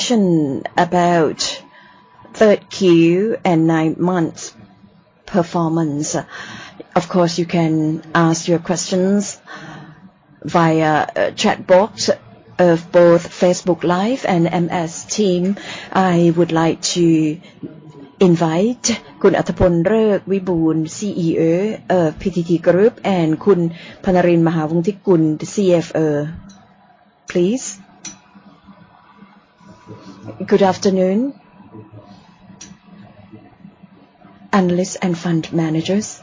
Session about third Q and nine months performance. Of course, you can ask your questions via chat box of both Facebook Live and MS Team. I would like to invite Kun Attapon Lekwiboondh, CEO of PTT Group and Kun Phannarin Mahawongthikun, the CFO. Please. Good afternoon, analysts and fund managers.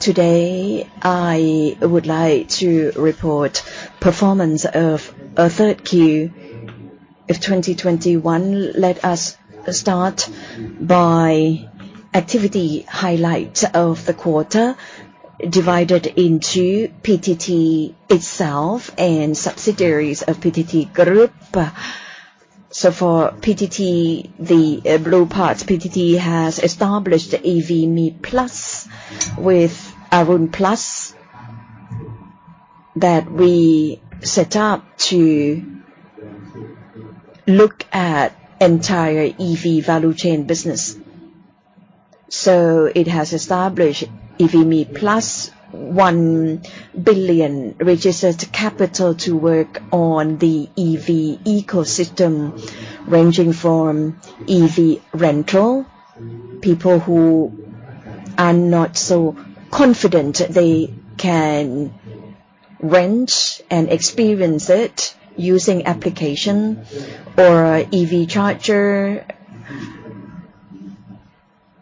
Today, I would like to report performance of third Q of 2021. Let us start by activity highlight of the quarter divided into PTT itself and subsidiaries of PTT Group. For PTT, the blue parts, PTT has established EVME Plus with Arun Plus that we set up to look at entire EV value chain business. It has established EVME Plus 1 billion registered capital to work on the EV ecosystem ranging from EV rental. People who are not so confident, they can rent and experience it using application or EV charger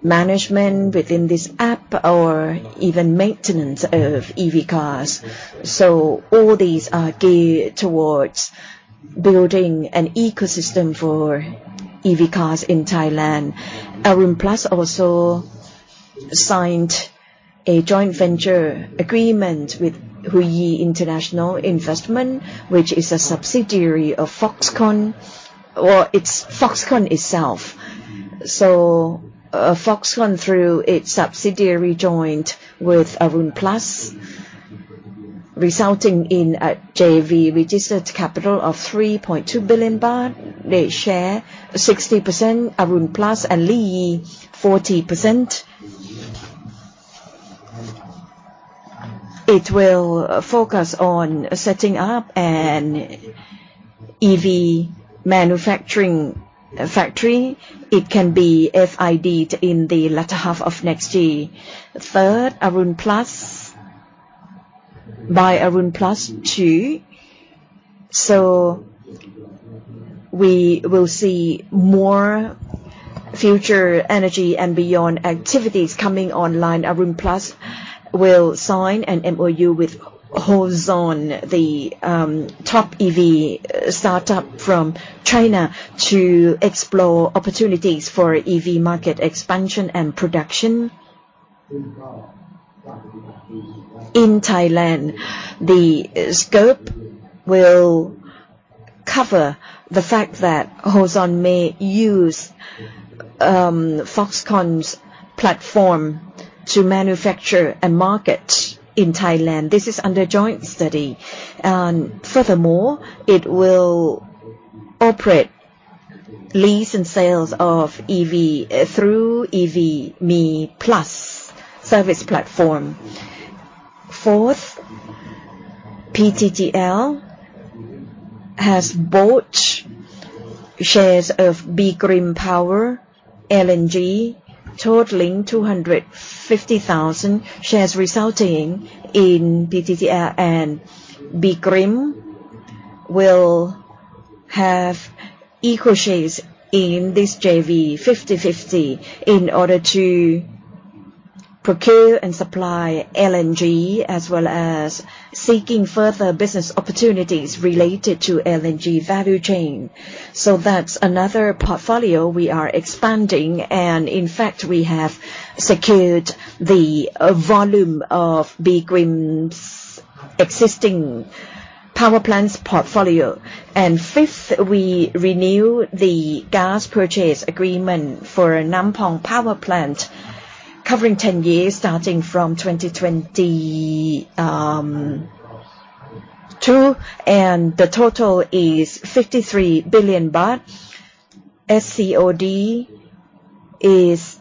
management within this app, or even maintenance of EV cars. All these are geared towards building an ecosystem for EV cars in Thailand. Arun Plus also signed a joint venture agreement with Lin Yin International Investment, which is a subsidiary of Foxconn, or it's Foxconn itself. Foxconn through its subsidiary joint with Arun Plus, resulting in a JV registered capital of 3.2 billion baht. They share 60%, Arun Plus, and Lin Yin, 40%. It will focus on setting up an EV manufacturing factory. It can be FID in the latter half of next year. Third, by Arun Plus, too. We will see more future energy and beyond activities coming online. Arun Plus will sign an MOU with Hozon, the top EV startup from China to explore opportunities for EV market expansion and production in Thailand. The scope will cover the fact that Hozon may use Foxconn's platform to manufacture and market in Thailand. This is under joint study. Furthermore, it will operate lease and sales of EV through EVME Plus service platform. Fourth, PTT LNG has bought shares of B.Grimm Power LNG, totaling 250,000 shares resulting in PTT LNG and B.Grimm will have equal shares in this JV, 50/50, in order to procure and supply LNG as well as seeking further business opportunities related to LNG value chain. That's another portfolio we are expanding and, in fact, we have secured the volume of B.Grimm's existing power plants portfolio. Fifth, we renew the gas purchase agreement for Nam Pong Power Plant covering 10 years starting from 2022, and the total is 53 billion baht. SCOD is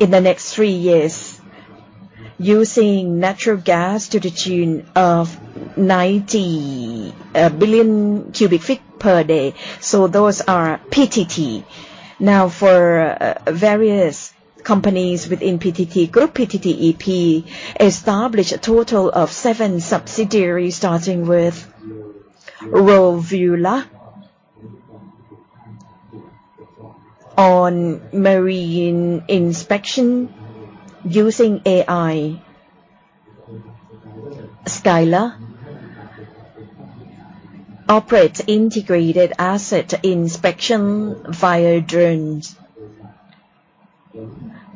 in the next 3 years using natural gas to the tune of 90 billion cubic feet per day. Those are PTT. Now, for various companies within PTT Group, PTTEP established a total of 7 subsidiaries starting with Rovula on marine inspection using AI. Skyller operates integrated asset inspection via drones.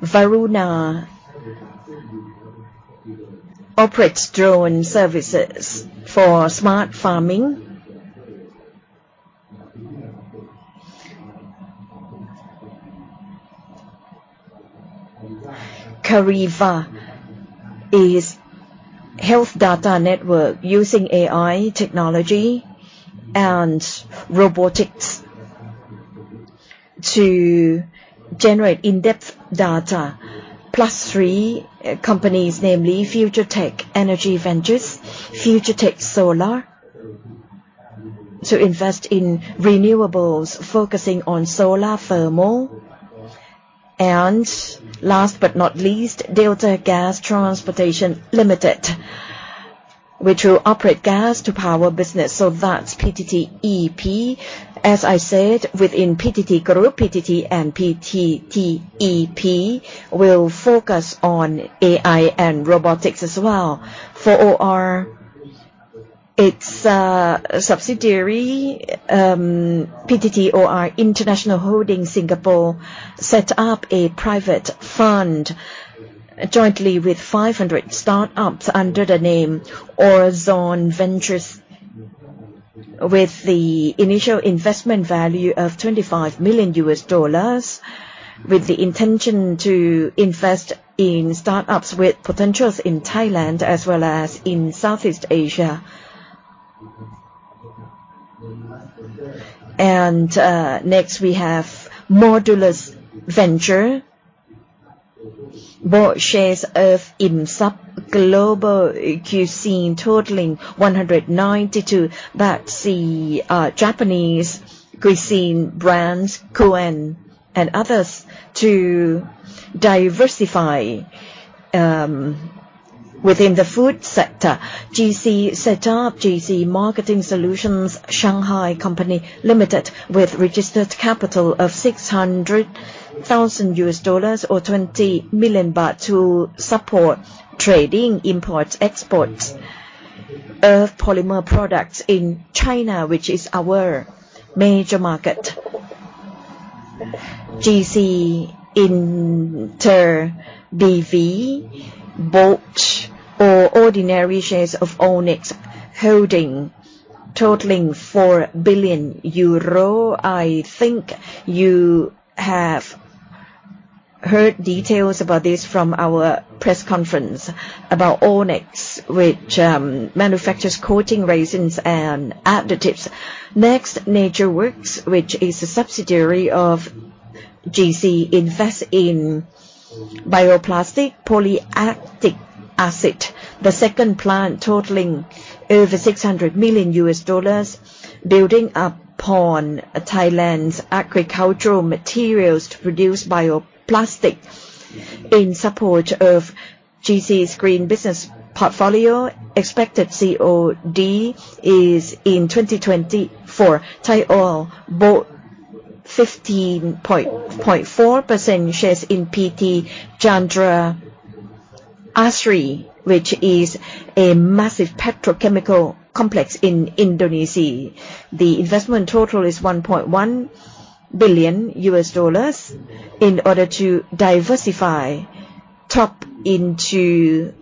Varuna operates drone services for smart farming. Cariva is health data network using AI technology and robotics to generate in-depth data. Plus 3 companies, namely FutureTech Energy Ventures, FutureTech Solar to invest in renewables, focusing on solar thermal. Last but not least, Delta Gas Transportation Limited, which will operate gas to power business. That's PTTEP. As I said, within PTT Group, PTT and PTT EP will focus on AI and robotics as well. For OR, its subsidiary, PTTOR International Holdings Singapore set up a private fund jointly with 500 Startups under the name ORZON Ventures with the initial investment value of $25 million with the intention to invest in startups with potentials in Thailand as well as in Southeast Asia. Next we have Modulus Venture bought shares of Imsub Global Cuisine totaling 192 Japanese cuisine brands, Kouen and others, to diversify within the food sector. GC set up GC Marketing Solutions (Shanghai) Company Limited with registered capital of $600,000 or 20 million baht to support trading imports, exports of polymer products in China, which is our major market. GC InterBV bought all ordinary shares of allnex Holding totaling 4 billion euro. I think you have heard details about this from our press conference about allnex, which manufactures coating resins and additives. Next, NatureWorks, which is a subsidiary of GC, invest in bioplastic polylactic acid. The second plant totaling over $600 million, building upon Thailand's agricultural materials to produce bioplastic in support of GC's green business portfolio. Expected COD is in 2024. Thai Oil bought 15.4% shares in PT Chandra Asri, which is a massive petrochemical complex in Indonesia. The investment total is $1.1 billion in order to diversify TOP into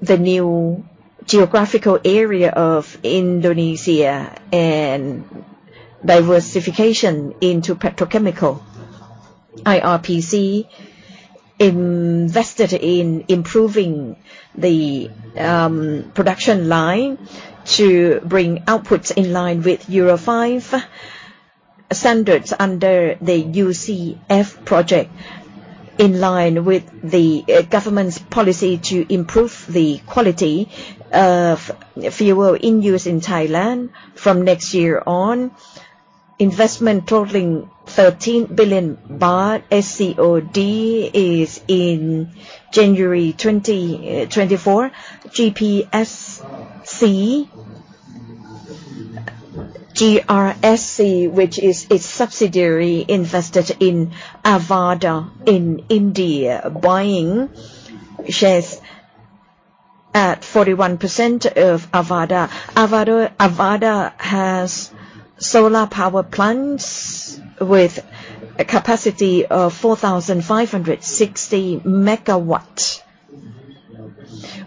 the new geographical area of Indonesia and diversification into petrochemical. IRPC invested in improving the production line to bring outputs in line with Euro 5 standards under the UCF project, in line with the government's policy to improve the quality of fuel in use in Thailand from next year on. Investment totaling 13 billion baht. SCOD is in January 2024. GRSC, which is its subsidiary, invested in Avaada in India, buying shares at 41% of Avaada. Avaada has solar power plants with a capacity of 4,560 MW.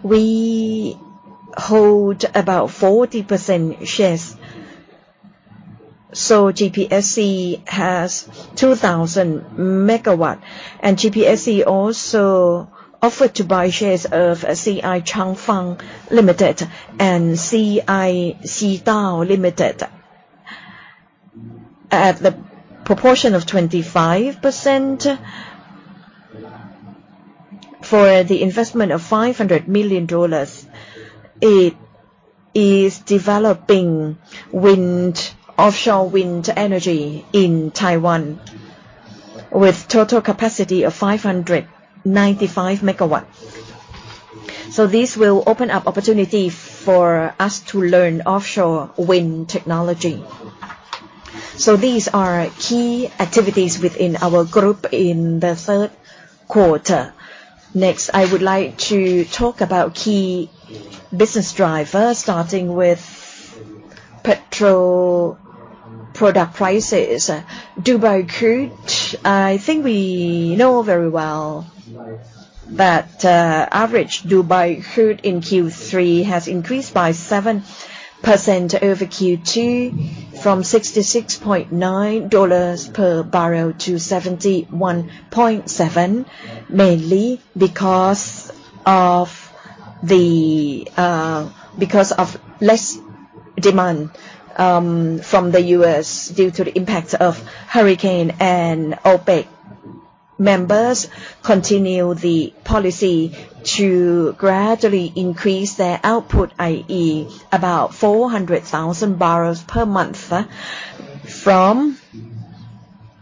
We hold about 40% shares. GPSC has 2,000 MW. GPSC also offered to buy shares of CI Changfang Limited and CI Xidao Limited at the proportion of 25% for the investment of $500 million. It is developing offshore wind energy in Taiwan with total capacity of 595 MW. This will open up opportunity for us to learn offshore wind technology. These are key activities within our group in the third quarter. Next, I would like to talk about key business drivers, starting with petrol product prices. Dubai crude, I think we know very well that average Dubai crude in Q3 has increased by 7% over Q2 from $66.9 per barrel to $71.7, mainly because of less demand from the U.S. due to the impact of hurricane and OPEC members continue the policy to gradually increase their output, i.e. about 400,000 barrels per month from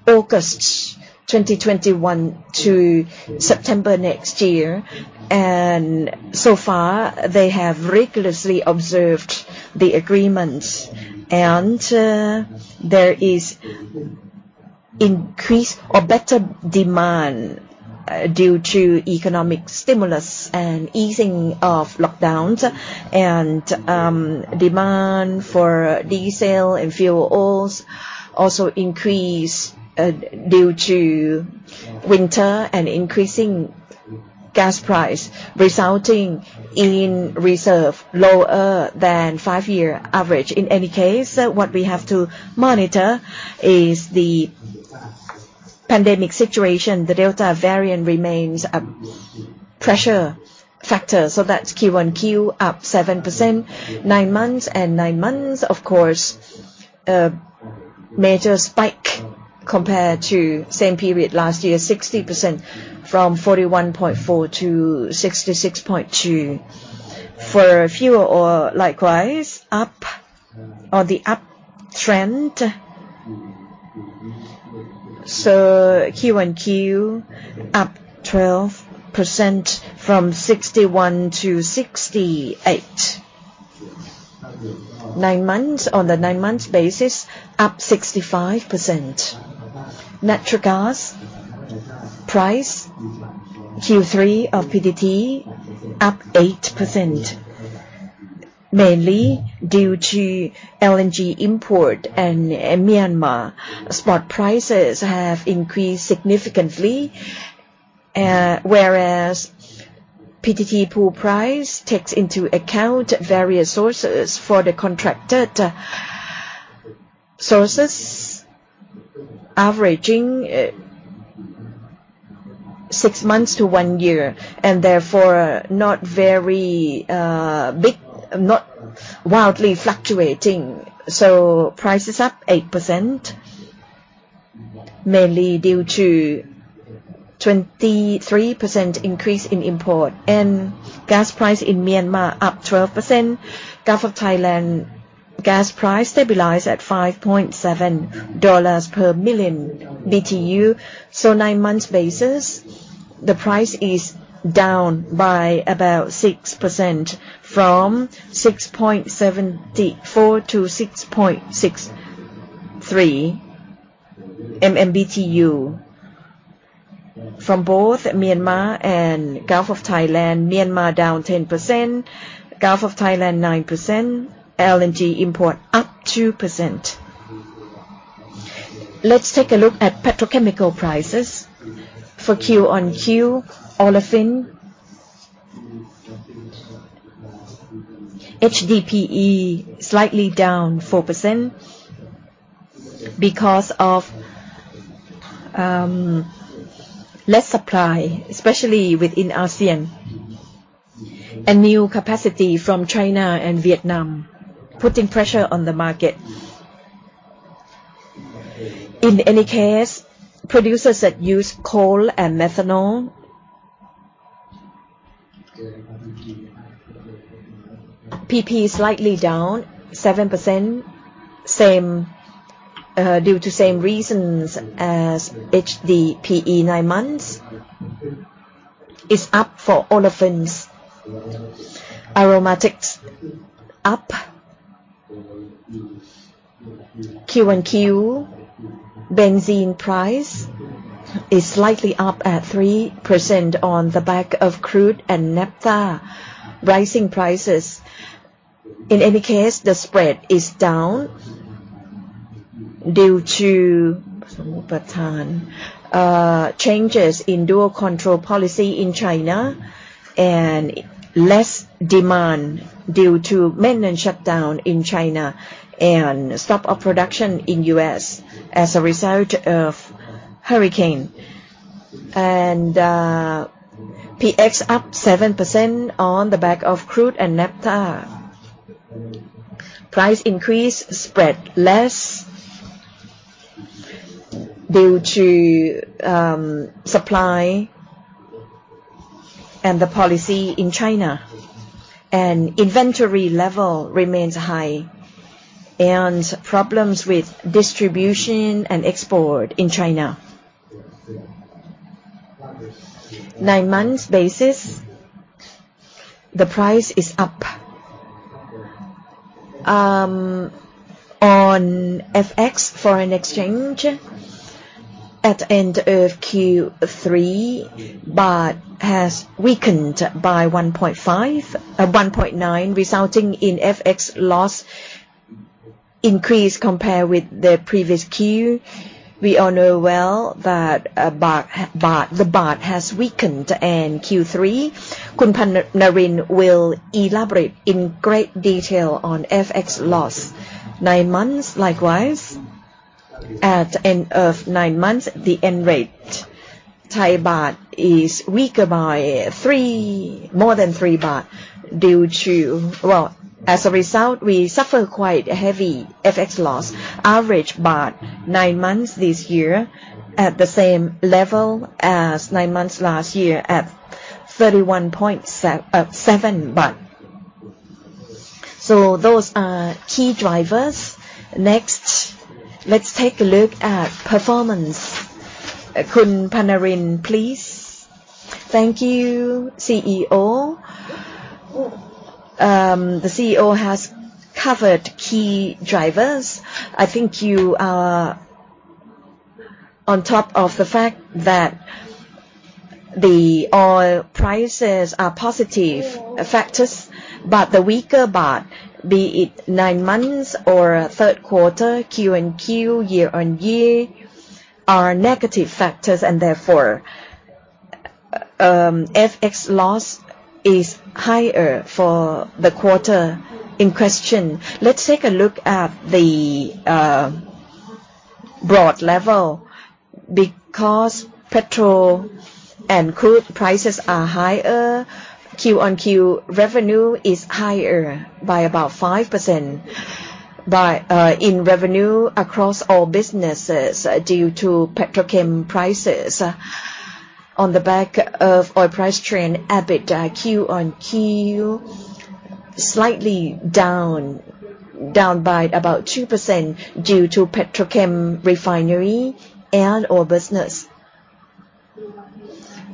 August 2021 to September next year. So far, they have rigorously observed the agreement. There is increase or better demand due to economic stimulus and easing of lockdowns. Demand for diesel and fuel oils also increase due to winter and increasing gas price, resulting in reserve lower than five-year average. In any case, what we have to monitor is the pandemic situation. The Delta variant remains a pressure factor, so that's QoQ, up 7%, nine months and nine months, of course, a major spike compared to same period last year, 60% from 41.4 to 66.2. For fuel oil, likewise, up or the uptrend. QoQ, up 12% from 61 to 68. Nine months, on the nine-month basis, up 65%. Natural gas price, Q3 of PTT, up 8%, mainly due to LNG import and Myanmar. Spot prices have increased significantly, whereas PTT pool price takes into account various sources for the contracted sources averaging 6 months to 1 year, and therefore not very big, not wildly fluctuating. Price is up 8%, mainly due to 23% increase in import and gas price in Myanmar up 12%. Gulf of Thailand gas price stabilize at $5.7 per MMBtu. Nine months basis, the price is down by about 6% from 6.74 to 6.63 MMBtu. From both Myanmar and Gulf of Thailand, Myanmar down 10%, Gulf of Thailand 9%, LNG import up 2%. Let's take a look at petrochemical prices. For QoQ olefin, HDPE slightly down 4% because of less supply, especially within ASEAN, and new capacity from China and Vietnam, putting pressure on the market. In any case, producers that use coal and methanol. PP slightly down 7%, same, due to same reasons as HDPE nine months. It's up for olefins. Aromatics up. QoQ, benzene price is slightly up at 3% on the back of crude and naphtha rising prices. In any case, the spread is down due to changes in dual control policy in China and less demand due to maintenance shutdown in China and stop of production in U.S. as a result of hurricane. PX up 7% on the back of crude and naphtha. Price increase spread less due to supply and the policy in China. Inventory level remains high and problems with distribution and export in China. Nine months basis, the price is up. On FX, foreign exchange, at end of Q3, baht has weakened by 1.9, resulting in FX loss increase compared with the previous Q. We all know well that the baht has weakened in Q3. Kun Phanarin will elaborate in great detail on FX loss. Nine months likewise. At end of nine months, the end rate Thai baht is weaker by more than 3 baht. Well, as a result, we suffer quite a heavy FX loss. Average baht nine months this year at the same level as nine months last year at 31.7 baht. So those are key drivers. Next, let's take a look at performance. Kun Pannalin, please. Thank you, CEO. The CEO has covered key drivers. I think you are on top of the fact that the oil prices are positive factors, but the weaker baht, be it nine months or third quarter, Q-on-Q, year-on-year, are negative factors. Therefore, FX loss is higher for the quarter in question. Let's take a look at the broad level. Because petrol and crude prices are higher, Q-on-Q revenue is higher by about 5% by in revenue across all businesses due to petrochem prices on the back of oil price trend. EBITDA Q-on-Q slightly down by about 2% due to petrochem refinery and oil business.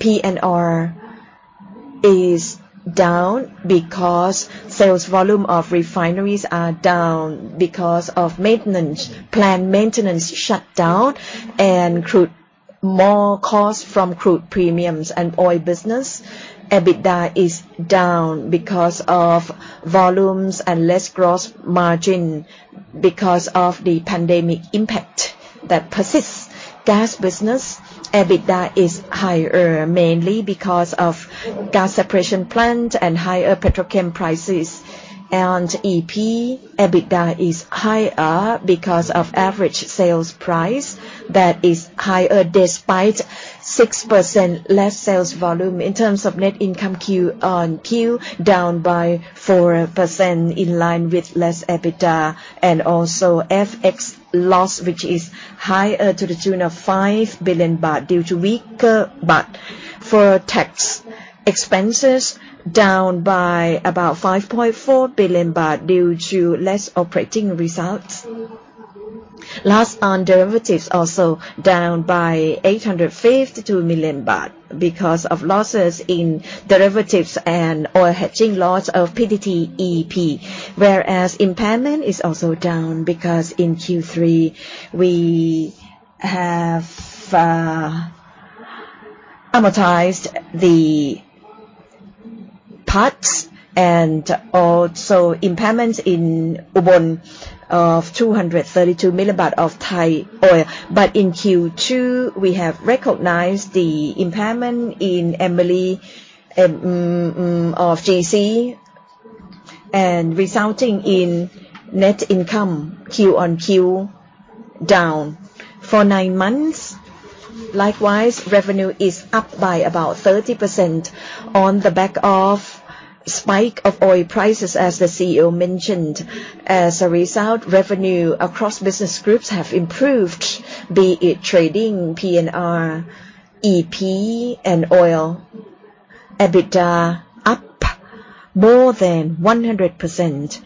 P&R is down because sales volume of refineries are down because of maintenance, planned maintenance shutdown and higher costs from crude premiums and oil business. EBITDA is down because of volumes and less gross margin because of the pandemic impact that persists. Gas business EBITDA is higher mainly because of gas separation plant and higher petrochem prices. EP EBITDA is higher because of average sales price that is higher despite 6% less sales volume. In terms of net income, QoQ down by 4% in line with less EBITDA and also FX loss, which is higher to the tune of 5 billion baht due to weaker baht. For tax expenses down by about 5.4 billion baht due to less operating results. Loss on derivatives also down by 852 million baht because of losses in derivatives and oil hedging loss of PTTEP. Whereas impairment is also down because in Q3 we have amortized the parts and also impairments in Ubon of 232 million of Thai Oil. In Q2, we have recognized the impairment in E&P of GC and resulting in net income QoQ down. For nine months, likewise, revenue is up by about 30% on the back of spike of oil prices, as the CEO mentioned. As a result, revenue across business groups have improved, be it trading, P&R, E&P, and oil. EBITDA up more than 100%,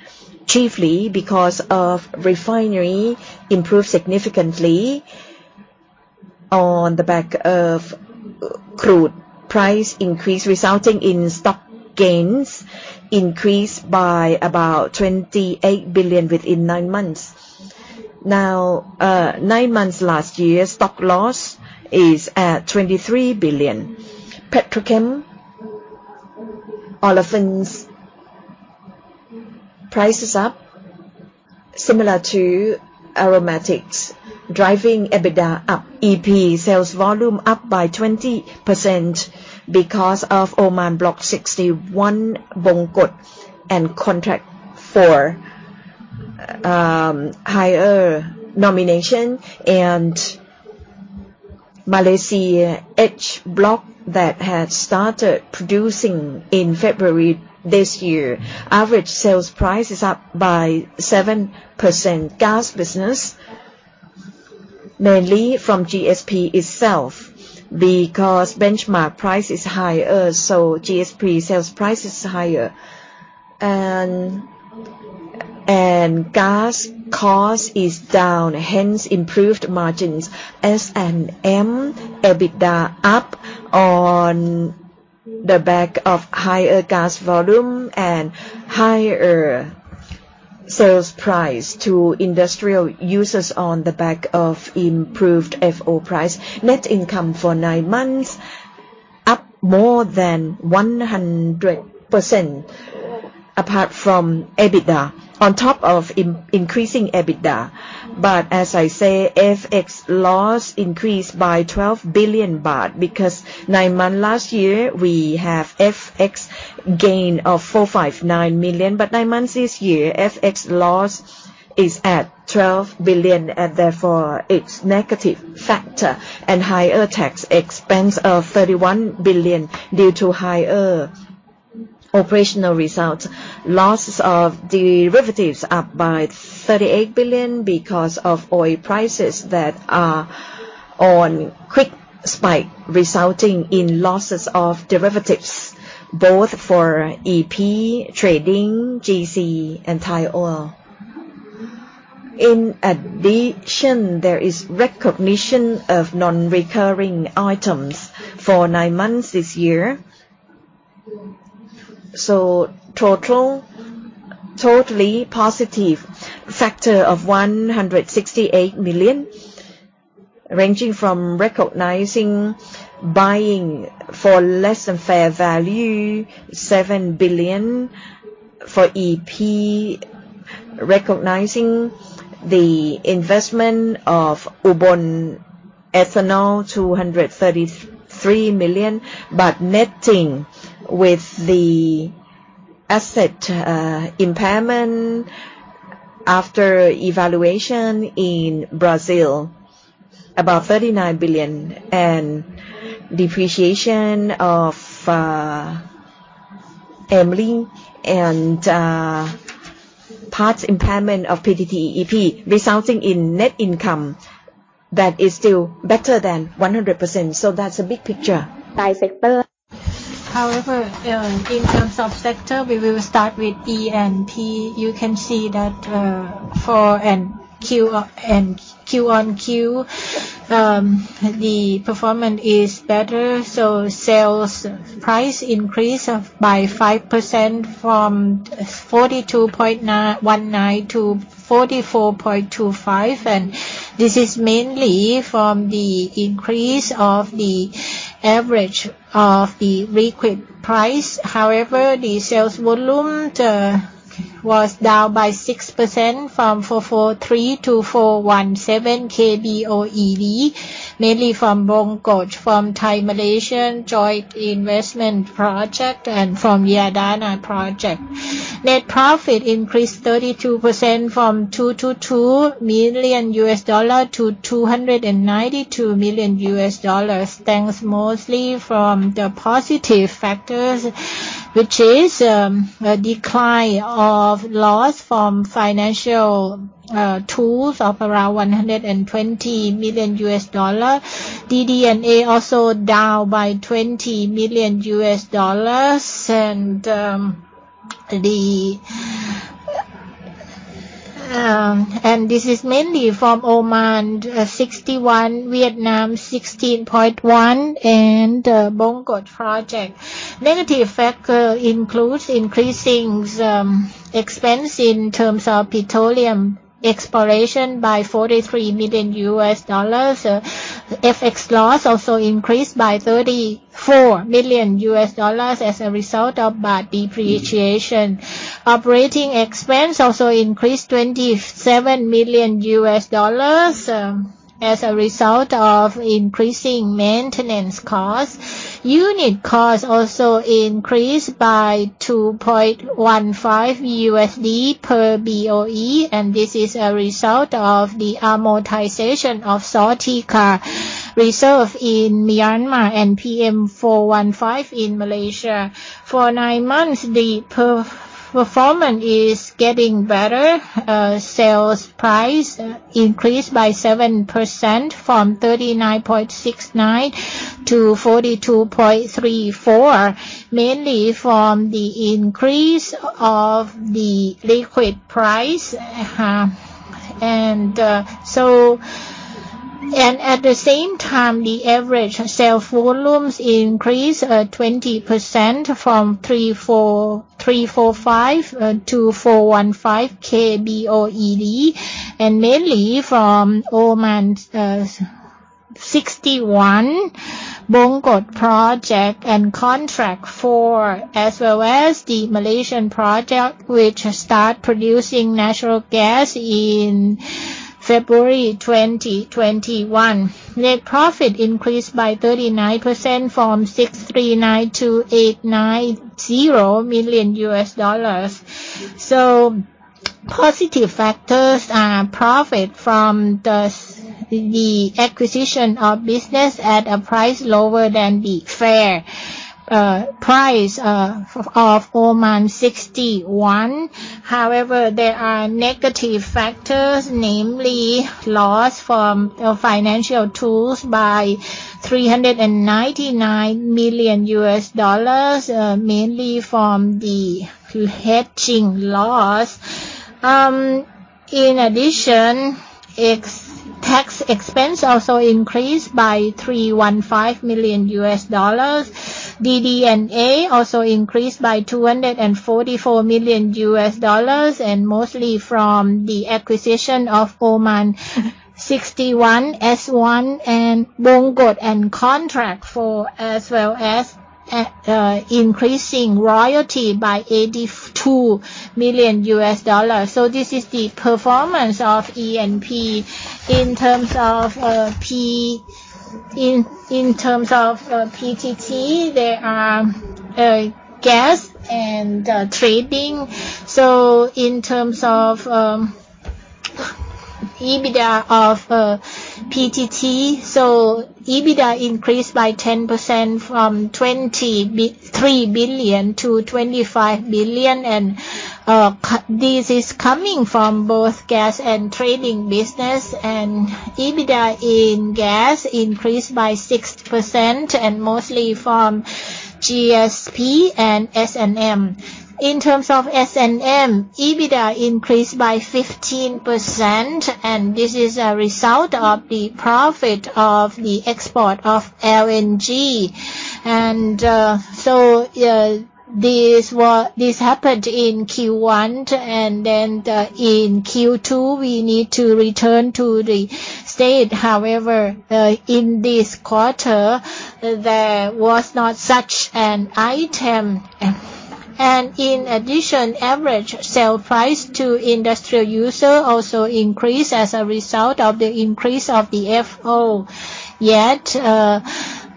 chiefly because of refinery improved significantly on the back of crude price increase, resulting in stock gains increased by about 28 billion within nine months. Now, nine months last year, stock loss is at 23 billion. Petrochem, olefins, prices up similar to aromatics, driving EBITDA up. E&P sales volume up by 20% because of Oman Block 61 Bongkot and Contract 4 higher nomination and Malaysia Block H that had started producing in February this year. Average sales price is up by 7%. Gas business mainly from GSP itself because benchmark price is higher, so GSP sales price is higher. Gas cost is down, hence improved margins. S&M EBITDA up on the back of higher gas volume and higher sales price to industrial users on the back of improved FO price. Net income for nine months up more than 100% apart from EBITDA, on top of increasing EBITDA. As I say, FX loss increased by 12 billion baht because nine months last year we have FX gain of 459 million. Nine months this year, FX loss is at 12 billion, and therefore it's negative factor and higher tax expense of 31 billion due to higher operational results. Losses of derivatives up by 38 billion because of oil prices that are on quick spike, resulting in losses of derivatives both for E&P, trading, GC, and Thai Oil. In addition, there is recognition of non-recurring items for nine months this year. Totally positive factor of 168 million, ranging from recognizing buying for less than fair value, 7 billion for E&P, recognizing the investment of Ubon Bio Ethanol 233 million. But netting with the asset impairment after evaluation in Brazil, about 39 billion and depreciation of Emery and other impairment of PTTEP, resulting in net income that is still better than 100%. That's a big picture. By sector. However, in terms of sector, we will start with E&P. You can see that, for Q-on-Q, the performance is better. Sales price increased by 5% from 42.19 to 44.25. This is mainly from the increase of the average of the liquid price. However, the sales volume was down by 6% from 443 to 417 kboe/d, mainly from Bongkot, from Malaysia-Thailand Joint Development Area and from Yadana project. Net profit increased 32% from $222 million to $292 million. This is mostly from the positive factors, which is a decline of loss from financial tools of around $120 million. DD&A also down by $20 million. This is mainly from Oman 61, Vietnam 16-1, and Bongkot project. Negative factors include increasing expense in terms of petroleum exploration by $43 million. FX loss also increased by $34 million as a result of Baht depreciation. Operating expense also increased $27 million as a result of increasing maintenance costs. Unit costs also increased by $2.15 per BOE. This is a result of the amortization of Zawtika reserve in Myanmar and PM415 in Malaysia. For nine months, the performance is getting better. Sales price increased by 7% from $39.69 to $42.34, mainly from the increase of the liquid price. At the same time, the average sales volumes increased 20% from 343.5 kboe/d to 415 kboe/d, mainly from Oman 61, Bongkot project and Contract 4, as well as the Malaysian project, which start producing natural gas in February 2021. Net profit increased by 39% from $639 million to $890 million. Positive factors are profit from the acquisition of business at a price lower than the fair price of Oman 61. However, there are negative factors, namely loss from financial instruments by $399 million, mainly from the hedging loss. In addition, tax expense also increased by $315 million. DD&A also increased by $244 million, and mostly from the acquisition of Oman 61, S1 and Bongkot and Contract 4 as well as increasing royalty by $82 million. This is the performance of E&P. In terms of PTT, there are gas and trading. In terms of EBITDA of PTT, EBITDA increased by 10% from 23 billion to 25 billion. This is coming from both gas and trading business. EBITDA in gas increased by 6% and mostly from GSP and S&M. In terms of S&M, EBITDA increased by 15%, and this is a result of the profit of the export of LNG. This happened in Q1 and then, in Q2, we need to return to the state. However, in this quarter, there was not such an item. In addition, average sale price to industrial user also increased as a result of the increase of the FO. Yet,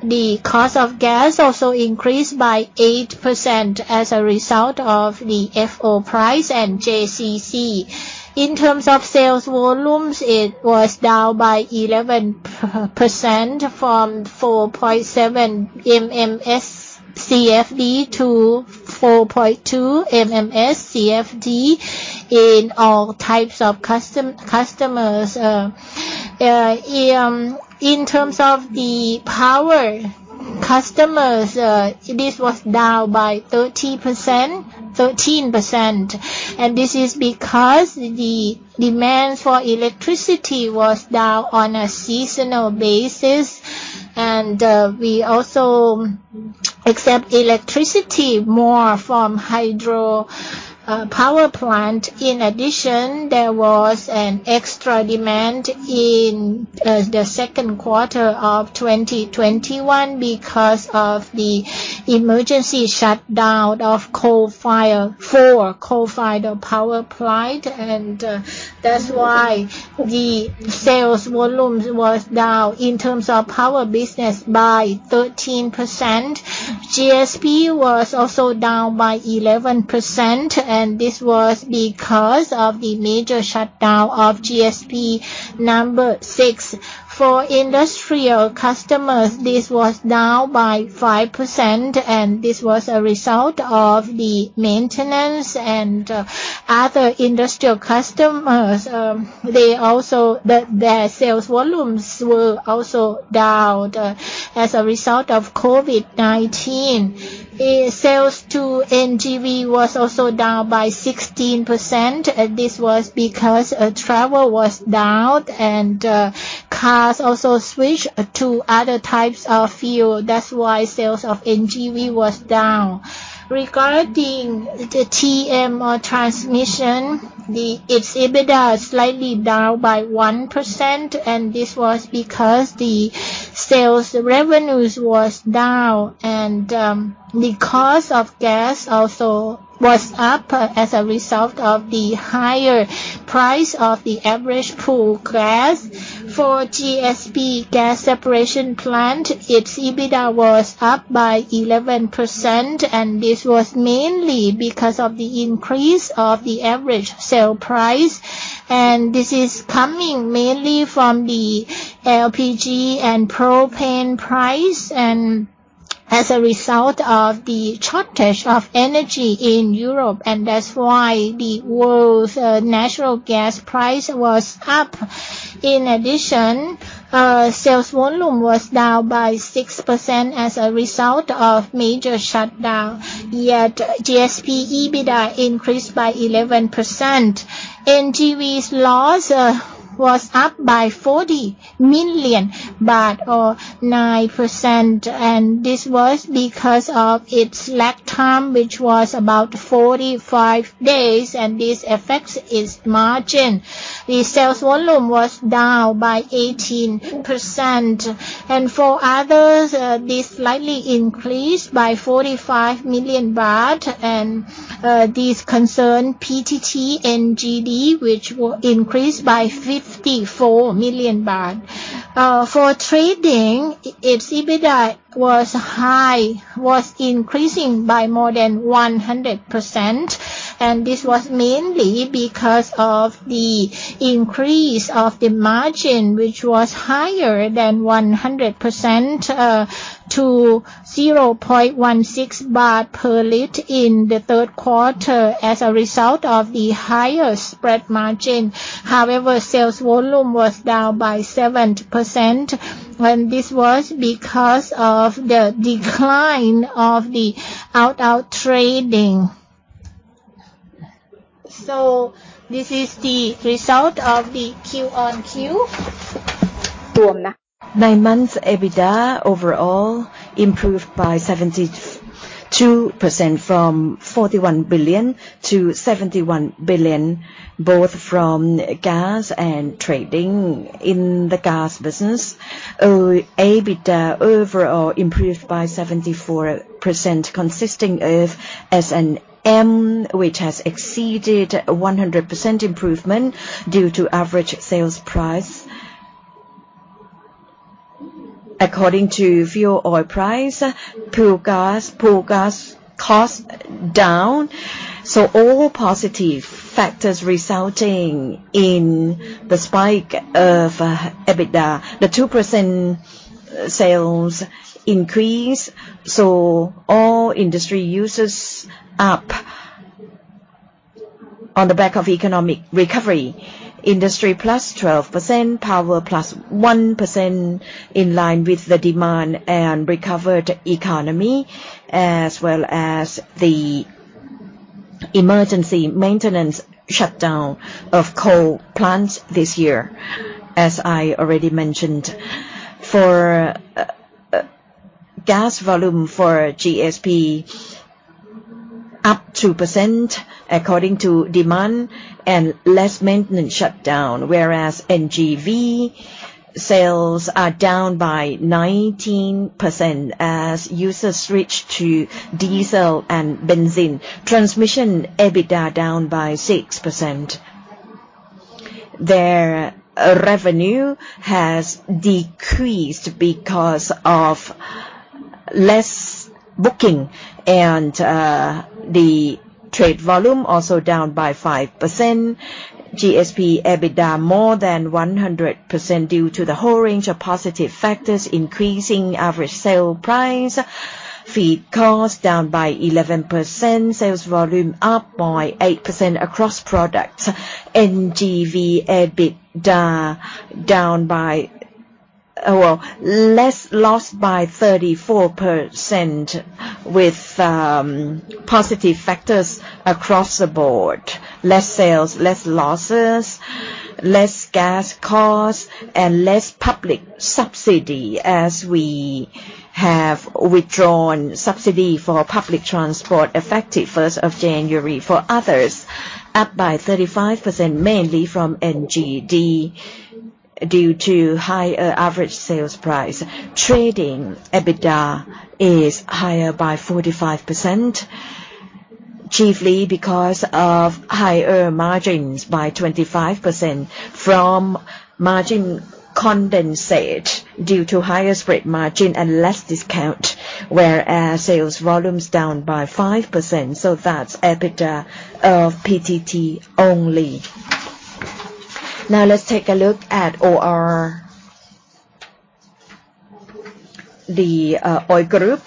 the cost of gas also increased by 8% as a result of the FO price and JCC. In terms of sales volumes, it was down by 11% from 4.7 MMSCFD to 4.2 MMSCFD in all types of customers. In terms of the power customers, this was down by 13%, and this is because the demand for electricity was down on a seasonal basis. We also accept electricity more from hydro power plant. In addition, there was an extra demand in the second quarter of 2021 because of the emergency shutdown of four coal-fired power plants. That's why the sales volume was down in terms of power business by 13%. GSP was also down by 11%, and this was because of the major shutdown of GSP number six. For industrial customers, this was down by 5%, and this was a result of the maintenance and other industrial customers. Their sales volumes were also down as a result of COVID-19. Sales to NGV was also down by 16%, and this was because travel was down and cars also switched to other types of fuel. That's why sales of NGV was down. Regarding the TM or transmission, its EBITDA is slightly down by 1%, and this was because the sales revenues was down. The cost of gas also was up as a result of the higher price of the average pool gas. For GSP Gas Separation Plant, its EBITDA was up by 11%, and this was mainly because of the increase of the average sale price. This is coming mainly from the LPG and propane price and as a result of the shortage of energy in Europe, and that's why the world's natural gas price was up. In addition, sales volume was down by 6% as a result of major shutdown. Yet GSP EBITDA increased by 11%. NGV's loss was up by 40 million or 9%, and this was because of its lag time, which was about 45 days, and this affects its margin. The sales volume was down by 18%. For others, this slightly increased by 45 million baht. This concerned PTT and NGD, which were increased by 54 million baht. For trading, its EBITDA was increasing by more than 100%, and this was mainly because of the increase of the margin, which was higher than 100% to 0.16 baht per liter in the third quarter as a result of the higher spread margin. However, sales volume was down by 7%, and this was because of the decline of the out trading. This is the result of the QoQ. Nine months EBITDA overall improved by 72% from 41 billion to 71 billion, both from gas and trading. In the gas business, EBITDA overall improved by 74% consisting of S&M, which has exceeded 100% improvement due to average sales price according to fuel oil price and pool gas cost down. All positive factors resulting in the spike of EBITDA. The 2% sales increase, all industry users up on the back of economic recovery. Industry plus 12%, power plus 1% in line with the demand and recovered economy, as well as the emergency maintenance shutdown of coal plants this year, as I already mentioned. For gas volume for GSP up 2% according to demand and less maintenance shutdown, whereas NGV sales are down by 19% as users switch to diesel and benzene. Transmission EBITDA down by 6%. Their revenue has decreased because of less booking and the trade volume also down by 5%. GSP EBITDA more than 100% due to the whole range of positive factors increasing average sale price. Feed cost down by 11%. Sales volume up by 8% across products. NGV EBITDA Well, less loss by 34% with positive factors across the board. Less sales, less losses, less gas cost, and less public subsidy as we have withdrawn subsidy for public transport effective first of January. For others, up by 35% mainly from NGD due to higher average sales price. Trading EBITDA is higher by 45%, chiefly because of higher margins by 25% from condensate margin due to higher spread margin and less discount, whereas sales volumes down by 5%. That's EBITDA of PTT only. Now let's take a look at OR. The oil group.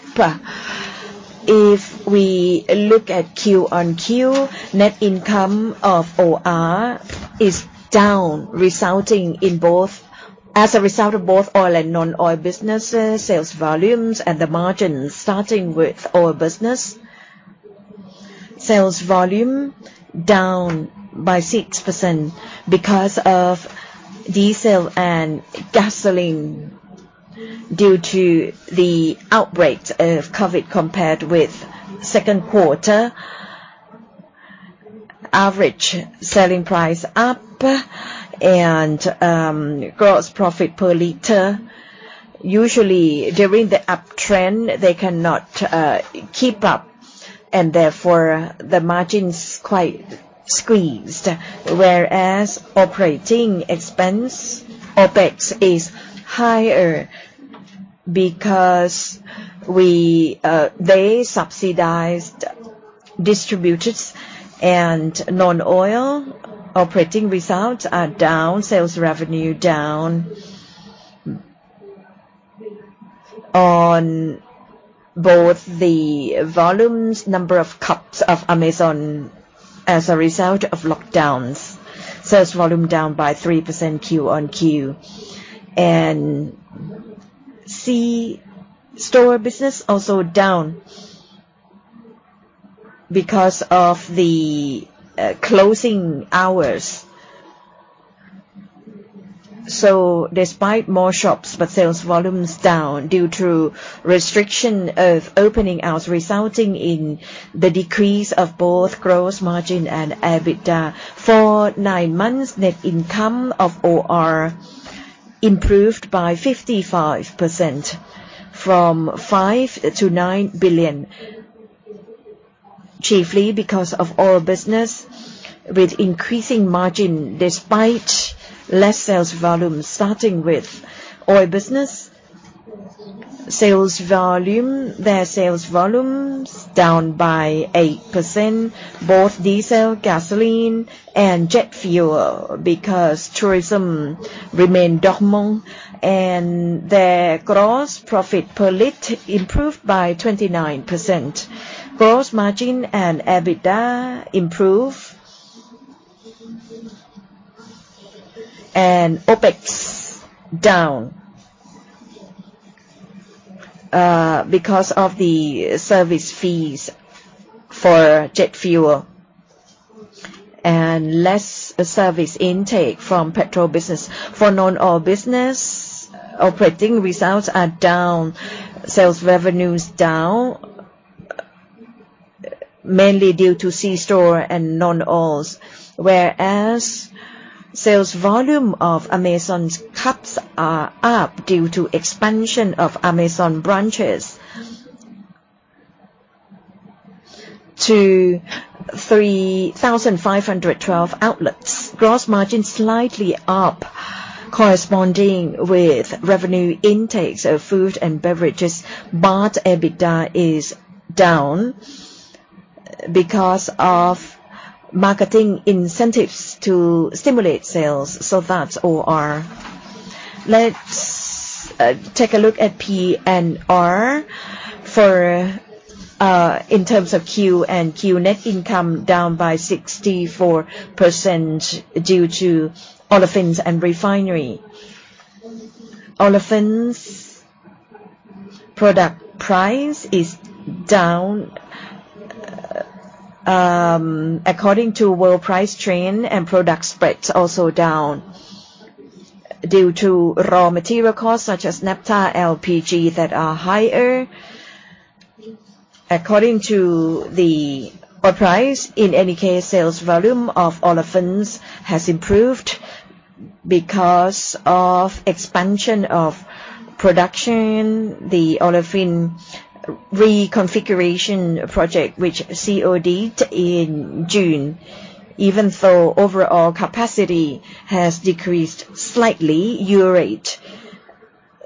If we look at QoQ, net income of OR is down, as a result of both oil and non-oil businesses, sales volumes and the margins. Starting with oil business. Sales volume down by 6% because of diesel and gasoline due to the outbreak of COVID compared with second quarter. Average selling price up, and gross profit per liter. Usually during the uptrend, they cannot keep up and therefore the margin is quite squeezed. Whereas operating expense, OpEx is higher because they subsidized distributors and non-oil operating results are down, sales revenue down on both the volumes, number of cups of Café Amazon as a result of lockdowns. Sales volume down by 3% QoQ. C-store business also down because of the closing hours. Despite more shops, but sales volume is down due to restriction of opening hours, resulting in the decrease of both gross margin and EBITDA. For nine months, net income of OR improved by 55% from 5 billion to 9 billion, chiefly because of oil business with increasing margin despite less sales volume. Starting with oil business. Sales volume, their sales volume is down by 8%, both diesel, gasoline, and jet fuel because tourism remained dormant and their gross profit per liter improved by 29%. Gross margin and EBITDA improve and OpEx down, because of the service fees for jet fuel and less service intake from petrol business. For non-oil business, operating results are down, sales revenue is down, mainly due to C-store and non-oils. Whereas sales volume of Amazon's cups are up due to expansion of Amazon branches to 3,512 outlets. Gross margin slightly up corresponding with revenue intakes of food and beverages. EBITDA is down because of marketing incentives to stimulate sales. That's OR. Let's take a look at P&R for QoQ. Net income down by 64% due to olefins and refinery. Olefins product price is down according to world price trend, and product spreads also down due to raw material costs such as naphtha, LPG that are higher according to the oil price. In any case, sales volume of olefins has improved because of expansion of production, the Olefins Reconfiguration Project which COD in June. Even so, overall capacity has decreased slightly. Utilization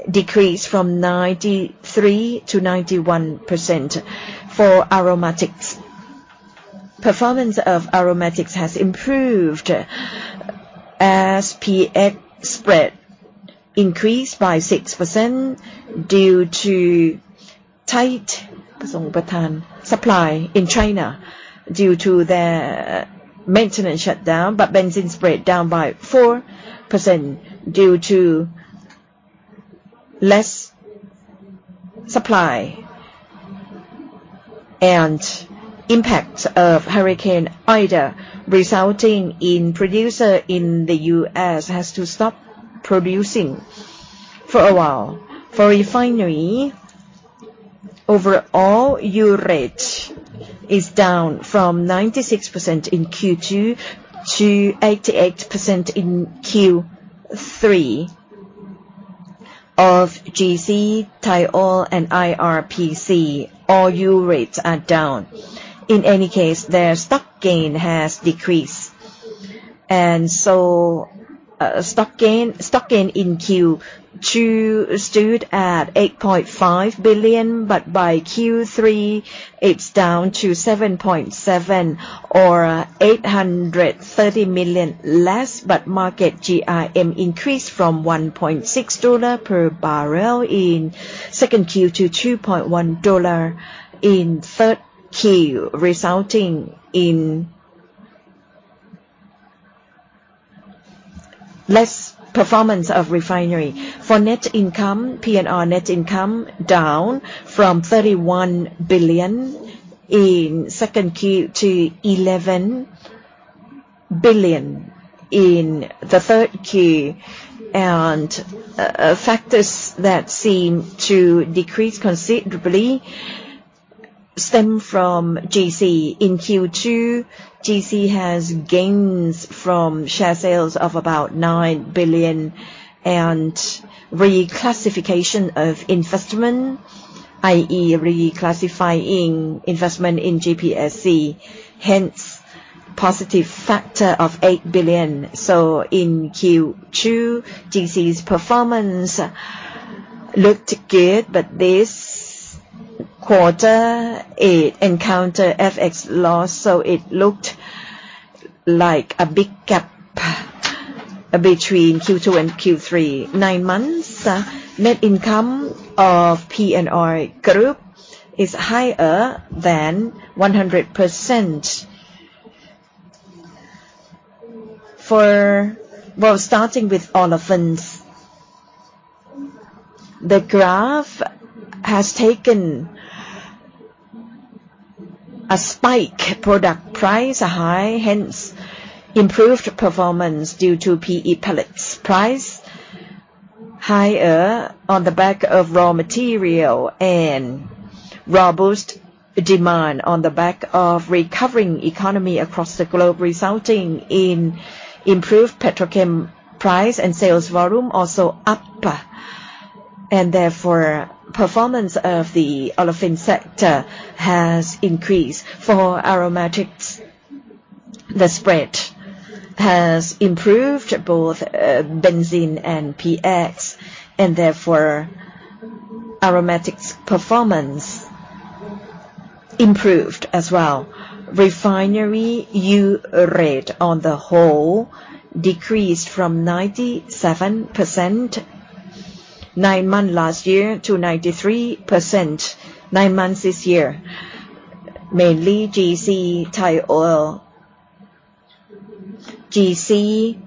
decreased from 93% to 91%. For aromatics, performance of aromatics has improved as PX spread increased by 6% due to tight supply in China due to their maintenance shutdown. Benzene spread down by 4% due to less supply and impact of Hurricane Ida, resulting in producer in the U.S. has to stop producing for a while. For Refinery, overall utilization is down from 96% in Q2 to 88% in Q3. Of GC, Thai Oil and IRPC, all utilization are down. In any case, their stock gain has decreased. Stock gain in Q2 stood at 8.5 billion, but by Q3, it's down to 7.7 billion or 830 million less. Market GRM increased from $1.6 per barrel in Q2 to $2.1 per barrel in Q3, resulting in less performance of Refinery. For net income, P&R net income down from 31 billion in Q2 to 11 billion in Q3. Factors that seem to decrease considerably stem from GC. In Q2, GC has gains from share sales of about 9 billion and reclassification of investment, i.e., reclassifying investment in GPSC, hence positive factor of 8 billion. In Q2, GC's performance looked good, but this quarter it encountered FX loss, so it looked like a big gap between Q2 and Q3. Nine months, net income of P&R group is higher than 100%. Starting with Olefins. The graph has taken a spike. Product price are high, hence improved performance due to PE pellets price higher on the back of raw material and robust demand on the back of recovering economy across the globe, resulting in improved Petrochem price and sales volume also up. Therefore, performance of the Olefins sector has increased. For Aromatics, the spread has improved both Benzene and PX, and therefore, Aromatics performance improved as well. Refinery utilization rate on the whole decreased from 97% nine months last year to 93% nine months this year. Mainly GC, Thai Oil. GC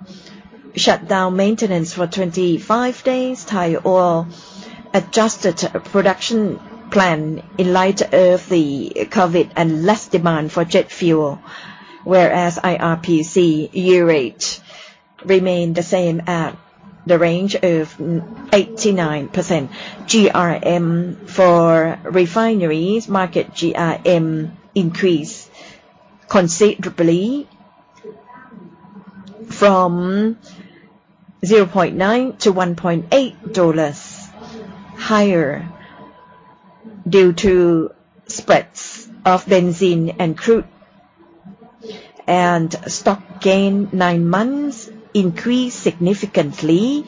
shut down maintenance for 25 days. Thai Oil adjusted production plan in light of the COVID and less demand for jet fuel. Whereas IRPC year rate remain the same at the range of 89%. GRM for refineries, market GRM increased considerably from $0.9 to $1.8 higher due to spreads of benzene and crude. Stock gain nine months increased significantly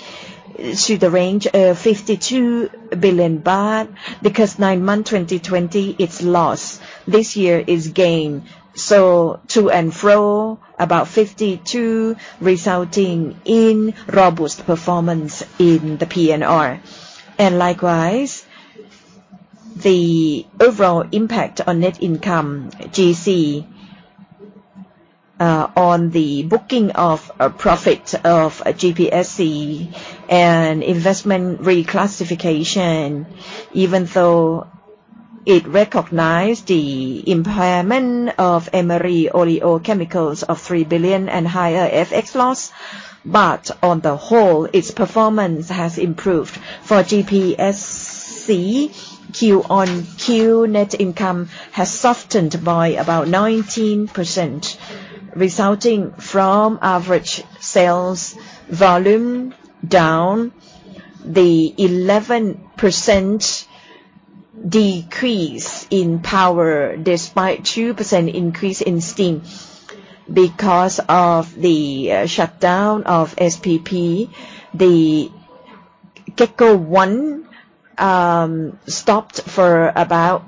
to the range of 52 billion baht because nine months 2020, its loss. This year is gain. To and fro about 52, resulting in robust performance in the P&R. The overall impact on net income GC on the booking of a profit of GPSC and investment reclassification, even though it recognized the impairment of Emery Oleochemicals of 3 billion and higher FX loss. On the whole, its performance has improved. For GPSC, QoQ net income has softened by about 19%, resulting from average sales volume down by 11% decrease in power despite 2% increase in steam because of the shutdown of SPP. The Geco one stopped for about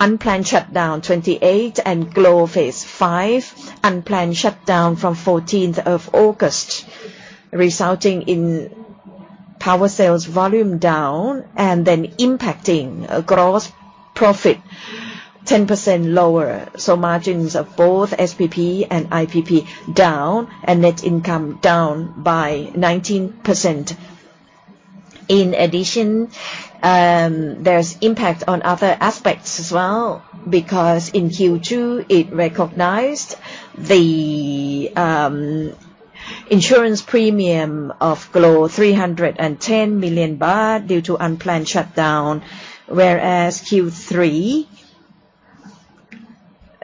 unplanned shutdown 28 and Globe Phase 5, unplanned shutdown from August 14, resulting in power sales volume down and then impacting gross profit 10% lower. Margins of both SPP and IPP down and net income down by 19%. In addition, there's impact on other aspects as well because in Q2, it recognized the insurance premium of Globe, 310 million baht due to unplanned shutdown. Whereas Q3,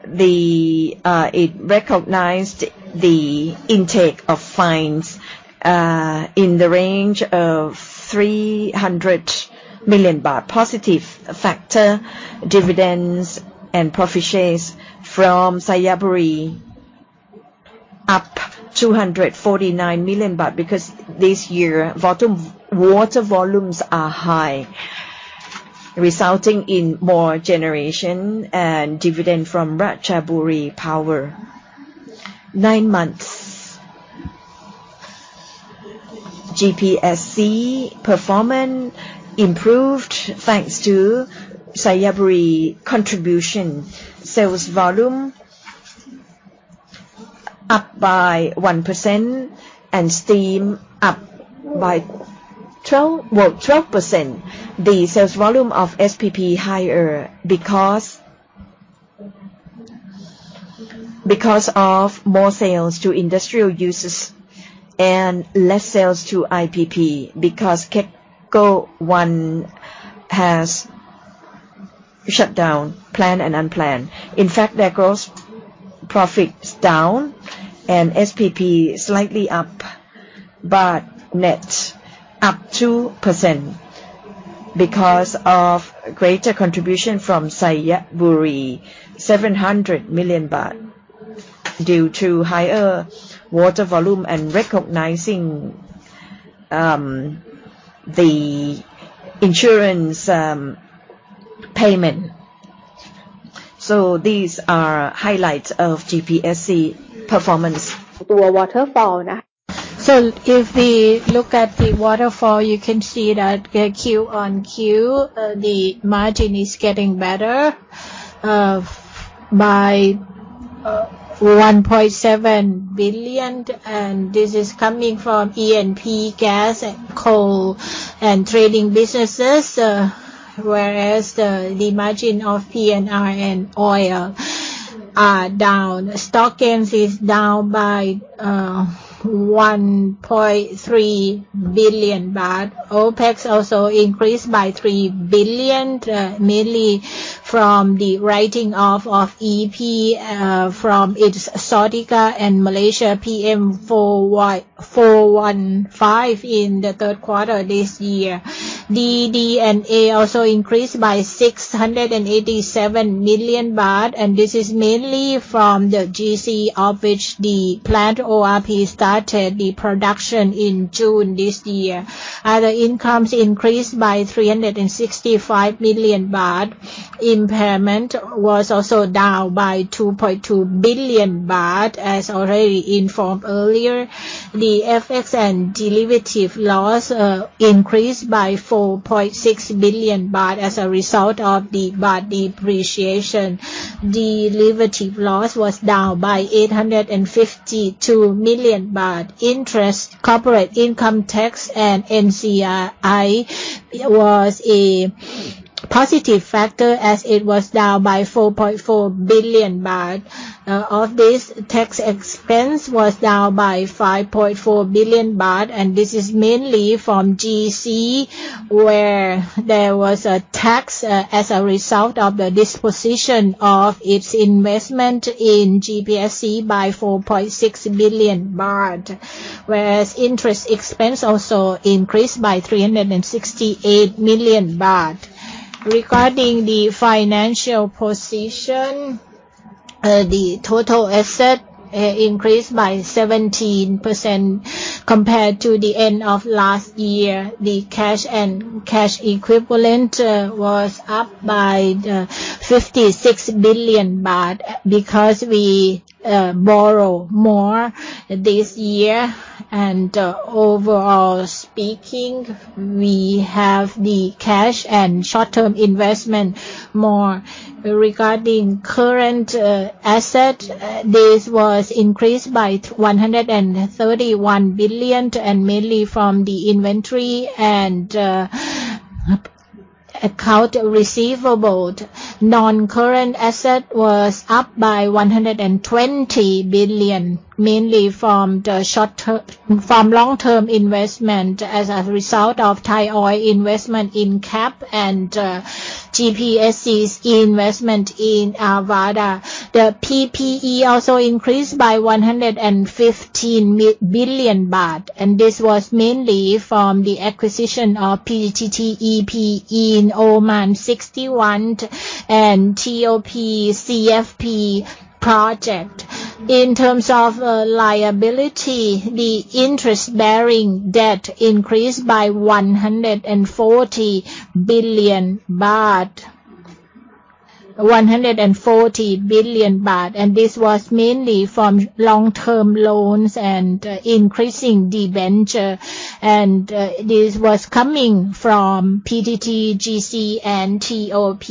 it recognized the intake of fines in the range of 300 million baht. Positive factor, dividends and profit shares from Xayaburi up 249 million baht because this year, water volumes are high, resulting in more generation and dividend from Ratchaburi Power. Nine months GPSC performance improved thanks to Xayaburi contribution. Sales volume up by 1% and steam up by 12%. The sales volume of SPP higher because of more sales to industrial users and less sales to IPP because GSP-1 has shut down, planned and unplanned. In fact, their gross profit is down and SPP slightly up, but net up 2% because of greater contribution from Xayaburi, 700 million baht due to higher water volume and recognizing the insurance payment. These are highlights of GPSC performance. The waterfall now. If we look at the waterfall, you can see that the QoQ, the margin is getting better, by 1.7 billion, and this is coming from E&P gas and coal and trading businesses, whereas, the margin of P&R and oil are down. Stock gains is down by 1.3 billion baht. OpEx also increased by 3 billion, mainly from the writing off of E&P, from its Sodica and Malaysia PM415 in the third quarter this year. The D&A also increased by 687 million baht, and this is mainly from the GC, of which the planned ORP started the production in June this year. Other incomes increased by 365 million baht. Impairment was also down by 2.2 billion baht. As already informed earlier, the FX and derivative loss increased by 4.6 billion baht as a result of the baht depreciation. Derivative loss was down by 852 million baht. Interest, corporate income tax, and NCI. It was a positive factor as it was down by 4.4 billion baht. Of this, tax expense was down by 5.4 billion baht, and this is mainly from GC, where there was a tax as a result of the disposition of its investment in GPSC by 4.6 billion baht. Whereas interest expense also increased by 368 million baht. Regarding the financial position, the total asset increased by 17% compared to the end of last year. The cash and cash equivalent was up by 56 billion baht because we borrow more this year. Overall speaking, we have the cash and short-term investment more. Regarding current asset, this was increased by 131 billion, and mainly from the inventory and account receivable. Non-current asset was up by 120 billion, mainly from the long-term investment as a result of Thai Oil investment in CAP and GPSC's investment in Avaada. The PPE also increased by 115 billion baht, and this was mainly from the acquisition of PTTEP in Oman 61 and TOP Clean Fuel Project. In terms of liability, the interest-bearing debt increased by THB 140 billion, and this was mainly from long-term loans and increasing debenture. This was coming from PTT, GC, and TOP.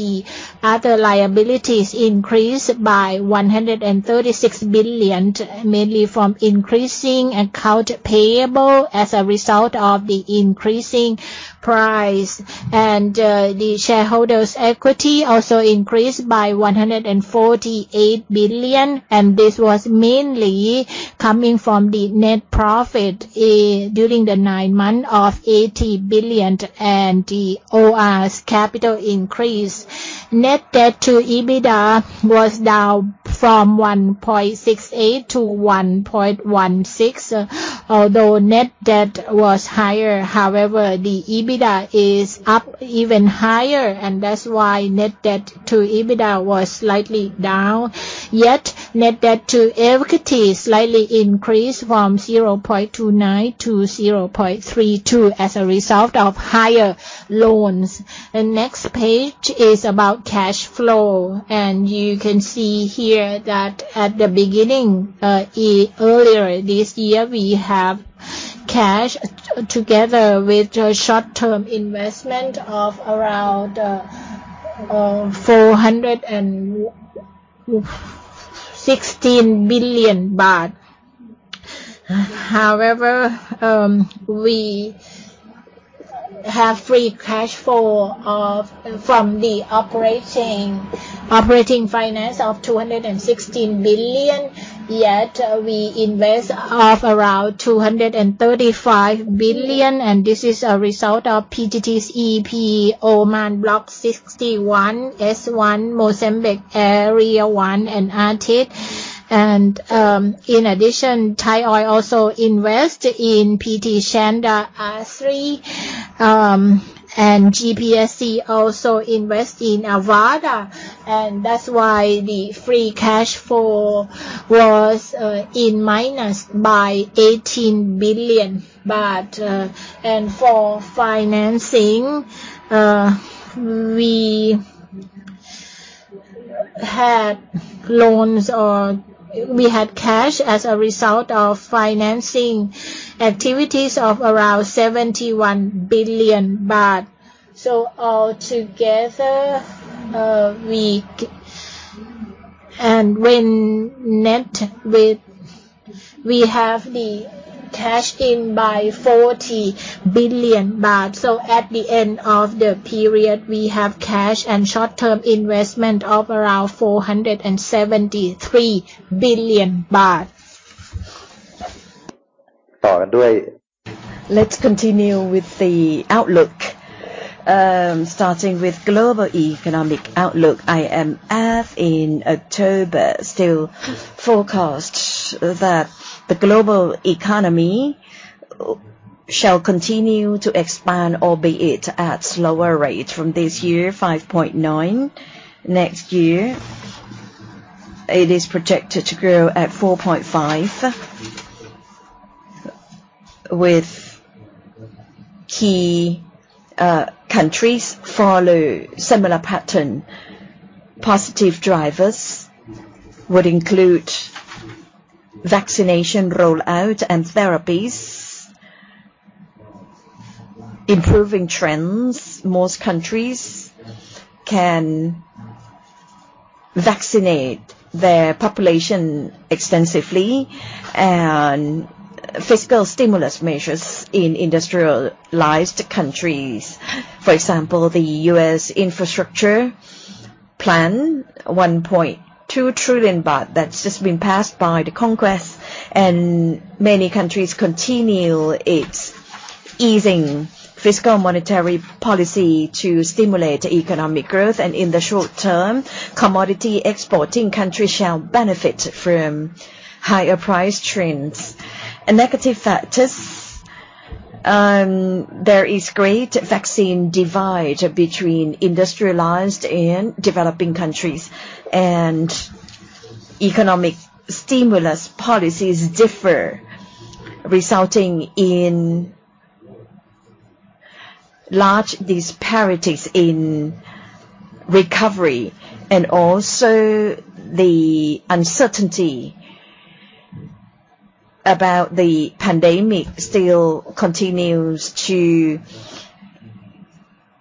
Other liabilities increased by 136 billion, mainly from increasing accounts payable as a result of the increasing price. The shareholders' equity also increased by 148 billion, and this was mainly coming from the net profit during the nine months of 80 billion and the OR's capital increase. Net debt to EBITDA was down from 1.68 to 1.16. Although net debt was higher, however, the EBITDA is up even higher, and that's why net debt to EBITDA was slightly down. Yet net debt to equity slightly increased from 0.29 to 0.32 as a result of higher loans. The next page is about cash flow, and you can see here that at the beginning, earlier this year, we have cash together with a short-term investment of around THB 416 billion. However, we have free cash flow from the operating finance of 216 billion, yet we invest of around 235 billion, and this is a result of PTT's E&P, Oman Block 61, S1, Mozambique Area 1, and Artit. In addition, Thai Oil also invest in PT Chandra Asri, and GPSC also invest in Avaada, and that's why the free cash flow was in minus by THB 18 billion. For financing, we had loans or we had cash as a result of financing activities of around 71 billion baht. All together, we have net cash inflow of THB 40 billion. At the end of the period, we have cash and short-term investment of around 473 billion baht. Let's continue with the outlook. Starting with global economic outlook, IMF in October still forecasts that the global economy shall continue to expand, albeit at slower rates from this year, 5.9%. Next year, it is projected to grow at 4.5%, with key countries follow similar pattern. Positive drivers would include vaccination rollout and therapies. Improving trends, most countries can vaccinate their population extensively and fiscal stimulus measures in industrialized countries. For example, the US infrastructure plan, $1.2 trillion that's just been passed by the Congress. Many countries continue its easing fiscal monetary policy to stimulate economic growth. In the short term, commodity exporting countries shall benefit from higher price trends. Negative factors, there is great vaccine divide between industrialized and developing countries. Economic stimulus policies differ, resulting in large disparities in recovery and also the uncertainty about the pandemic still continues to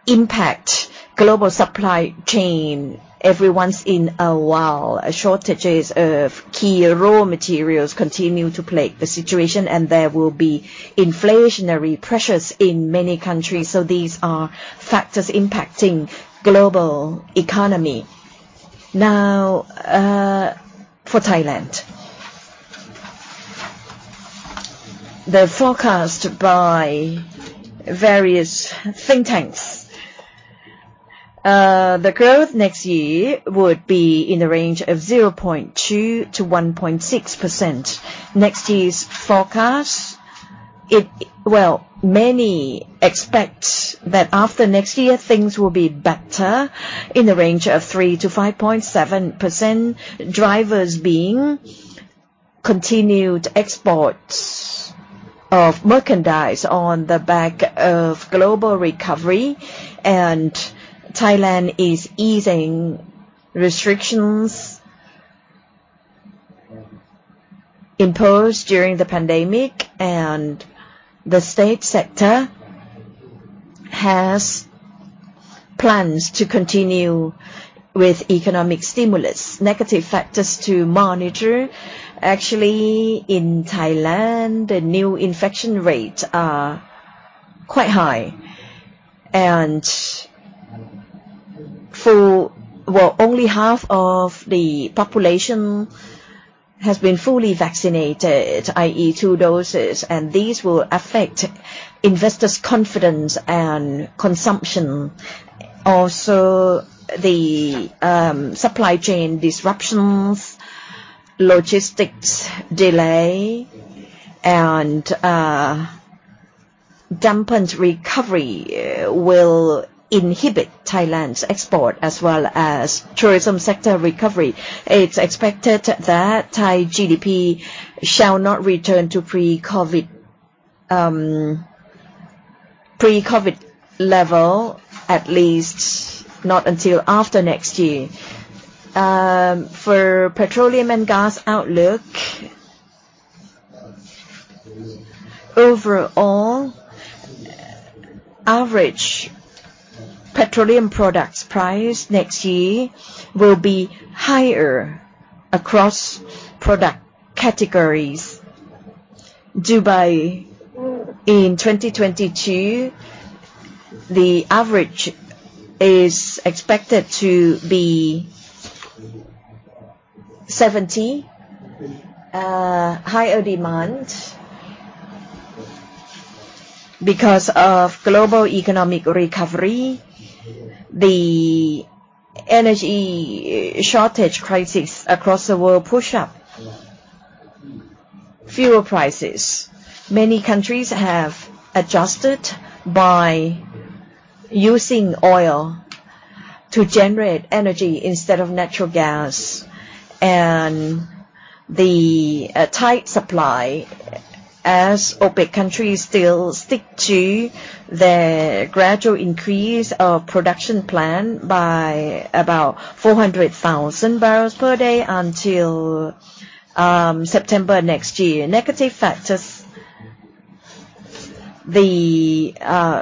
impact global supply chain every once in a while. Shortages of key raw materials continue to plague the situation, and there will be inflationary pressures in many countries. These are factors impacting global economy. Now, for Thailand. The forecast by various think tanks. The growth next year would be in the range of 0.2%-1.6%. Next year's forecast. Well, many expect that after next year things will be better, in the range of 3%-5.7%. Drivers being continued exports of merchandise on the back of global recovery and Thailand is easing restrictions imposed during the pandemic. The state sector has plans to continue with economic stimulus. Negative factors to monitor. Actually, in Thailand, the new infection rates are quite high. Well, only half of the population has been fully vaccinated, i.e. two doses. These will affect investors' confidence and consumption. Also, the supply chain disruptions, logistics delay and dampened recovery will inhibit Thailand's export as well as tourism sector recovery. It's expected that Thai GDP shall not return to pre-COVID level, at least not until after next year. For petroleum and gas outlook. Overall, average petroleum products price next year will be higher across product categories due to in 2022. The average is expected to be $70. Higher demand because of global economic recovery. The energy shortage crisis across the world push up fuel prices. Many countries have adjusted by using oil to generate energy instead of natural gas. The tight supply as OPEC countries still stick to their gradual increase of production plan by about 400,000 barrels per day until September next year. Negative factors. The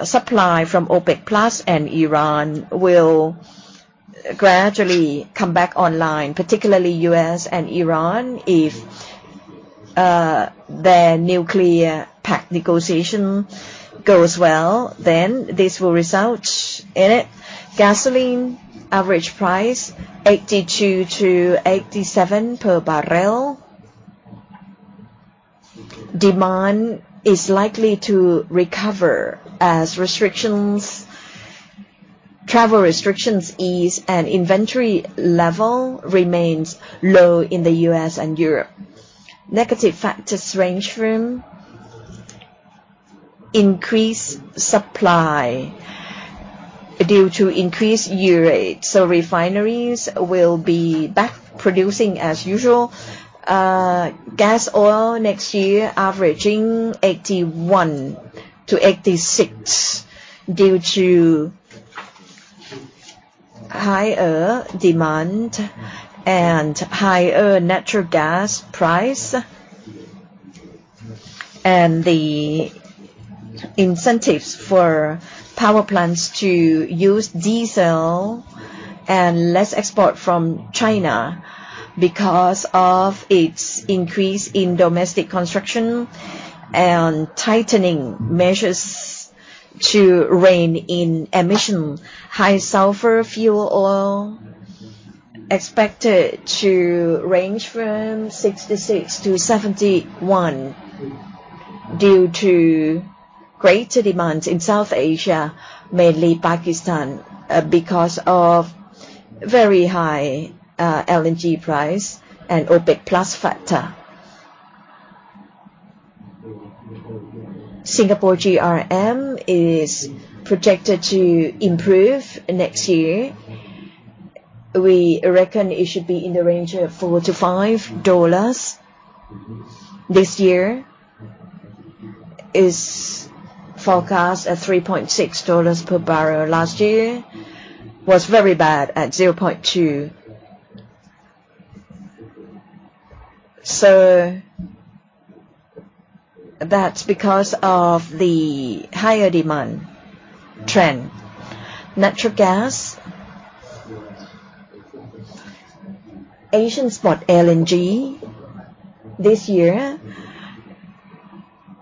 supply from OPEC Plus and Iran will gradually come back online, particularly U.S. and Iran if their nuclear pact negotiation goes well. This will result in it. Gasoline average price $82-$87 per barrel. Demand is likely to recover as restrictions, travel restrictions ease and inventory level remains low in the U.S. and Europe. Negative factors range from increased supply due to increased yield. Refineries will be back producing as usual. Gas oil next year averaging $81-$86 due to higher demand and higher natural gas price. The incentives for power plants to use diesel and less export from China because of its increase in domestic construction and tightening measures to rein in emissions. High-sulfur fuel oil expected to range from $66-$71 due to greater demand in South Asia, mainly Pakistan, because of very high LNG price and OPEC+ factor. Singapore GRM is projected to improve next year. We reckon it should be in the range of $4-$5. This year is forecast at $3.6 per barrel. Last year was very bad at $0.2. That's because of the higher demand trend. Natural gas. Asian spot LNG next year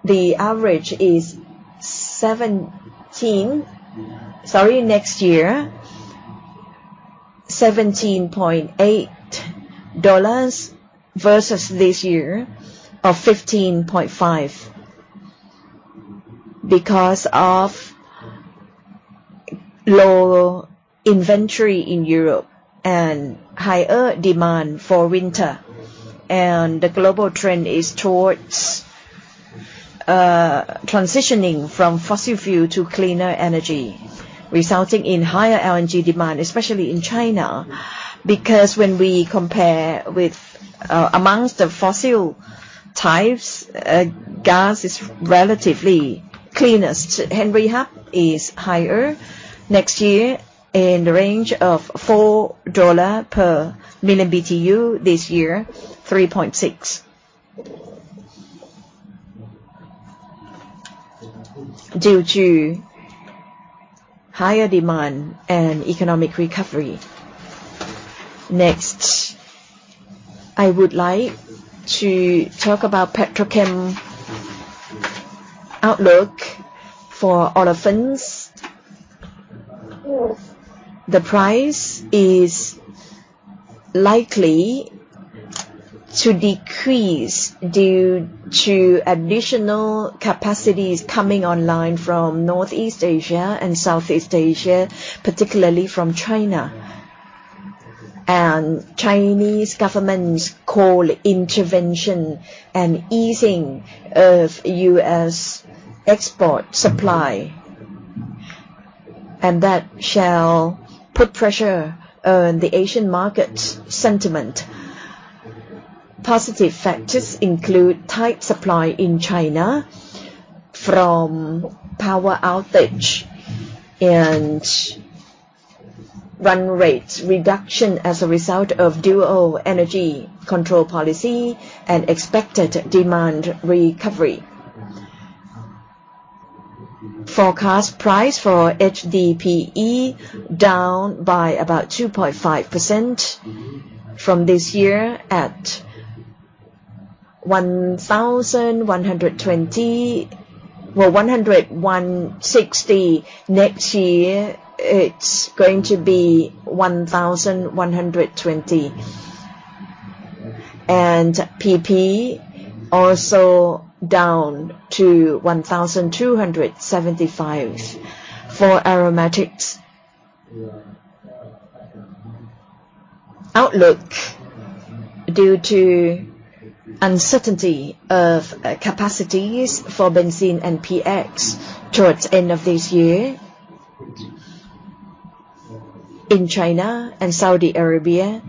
$17.8 versus this year of $15.5. Because of low inventory in Europe and higher demand for winter. The global trend is towards transitioning from fossil fuel to cleaner energy, resulting in higher LNG demand, especially in China. Because when we compare with amongst the fossil types, gas is relatively cleanest. Henry Hub is higher next year in the range of $4 per MMBtu. This year, $3.6, due to higher demand and economic recovery. Next, I would like to talk about petrochem outlook for olefins. The price is likely to decrease due to additional capacities coming online from Northeast Asia and Southeast Asia, particularly from China, Chinese government's coal intervention, and easing of U.S. export supply. That shall put pressure on the Asian market sentiment. Positive factors include tight supply in China from power outage and run rate reduction as a result of dual control policy and expected demand recovery. Forecast price for HDPE down by about 2.5% from this year at, well, 1,160. Next year, it's going to be 1,120. And PP also down to 1,275. For aromatics, outlook due to uncertainty of capacities for benzene and PX towards end of this year in China and Saudi Arabia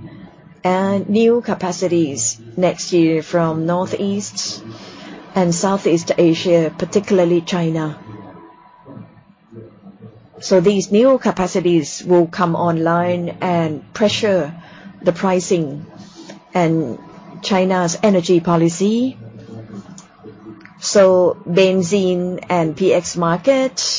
and new capacities next year from Northeast and Southeast Asia, particularly China. These new capacities will come online and pressure the pricing and China's energy policy. Benzene and PX market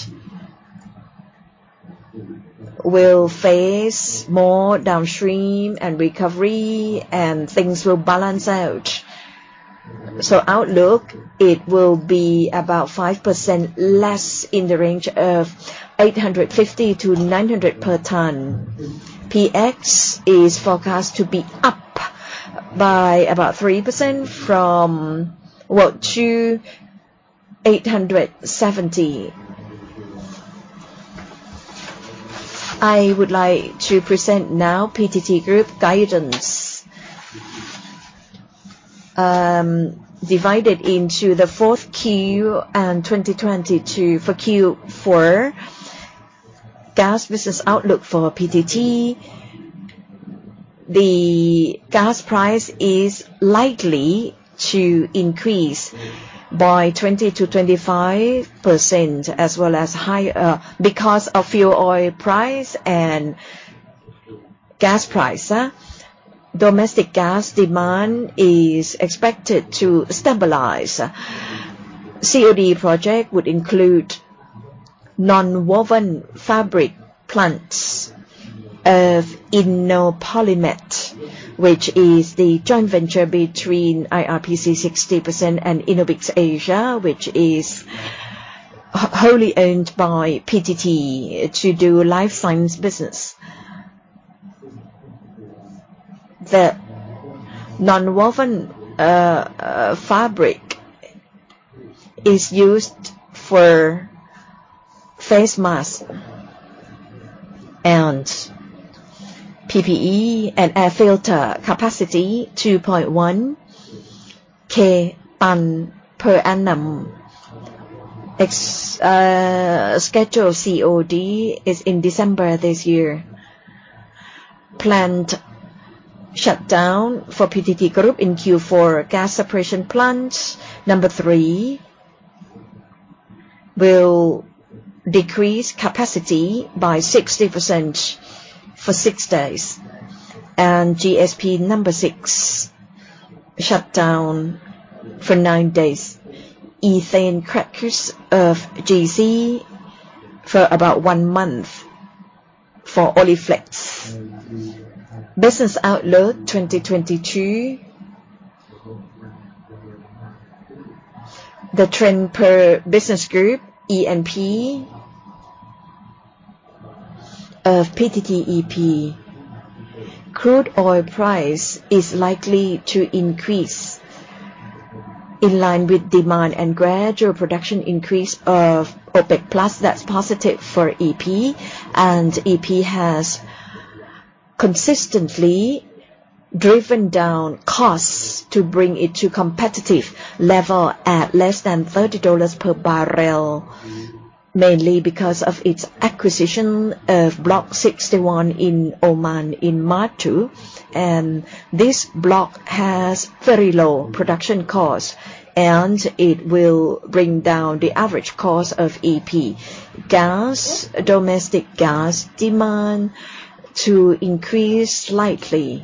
will face more downstream and recovery and things will balance out. Outlook, it will be about 5% less in the range of 850-900 per ton. PX is forecast to be up by about 3% from to 870. I would like to present now PTT Group guidance, divided into the Q4 and 2022. For Q4 gas business outlook for PTT, the gas price is likely to increase by 20%-25% as well as higher because of fuel oil price and gas price. Domestic gas demand is expected to stabilize. COD project would include nonwoven fabric plants of Innopolymed, which is the joint venture between IRPC 60% and Innobic (Asia), which is wholly owned by PTT to do life science business. The nonwoven fabric is used for face mask and PPE and air filter capacity 2,100 tons per annum. Schedule COD is in December this year. Planned shutdown for PTT Group in Q4. Gas Separation Plant No. 3 will decrease capacity by 60% for 6 days, and GSP No. 6 shut down for 9 days. Ethane crackers of GC for about 1 month for Oleflex. Business outlook 2022. The trend per business group E&P of PTTEP. Crude oil price is likely to increase in line with demand and gradual production increase of OPEC+. That's positive for E&P, and E&P has consistently driven down costs to bring it to competitive level at less than $30 per barrel, mainly because of its acquisition of Block 61 in Oman in March 2022. This block has very low production cost, and it will bring down the average cost of E&P. Domestic gas demand to increase slightly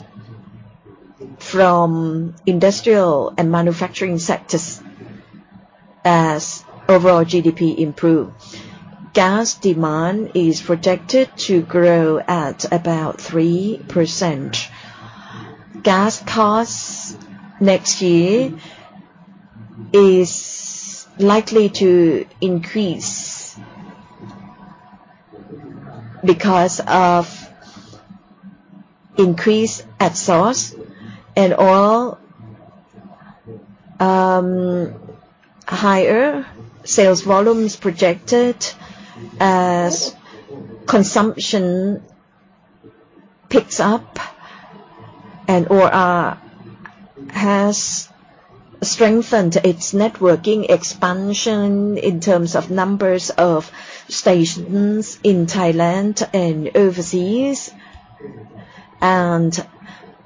from industrial and manufacturing sectors as overall GDP improve. Gas demand is projected to grow at about 3%. Gas costs next year is likely to increase because of increase at source and oil, higher sales volumes projected as consumption picks up and OR has strengthened its networking expansion in terms of numbers of stations in Thailand and overseas and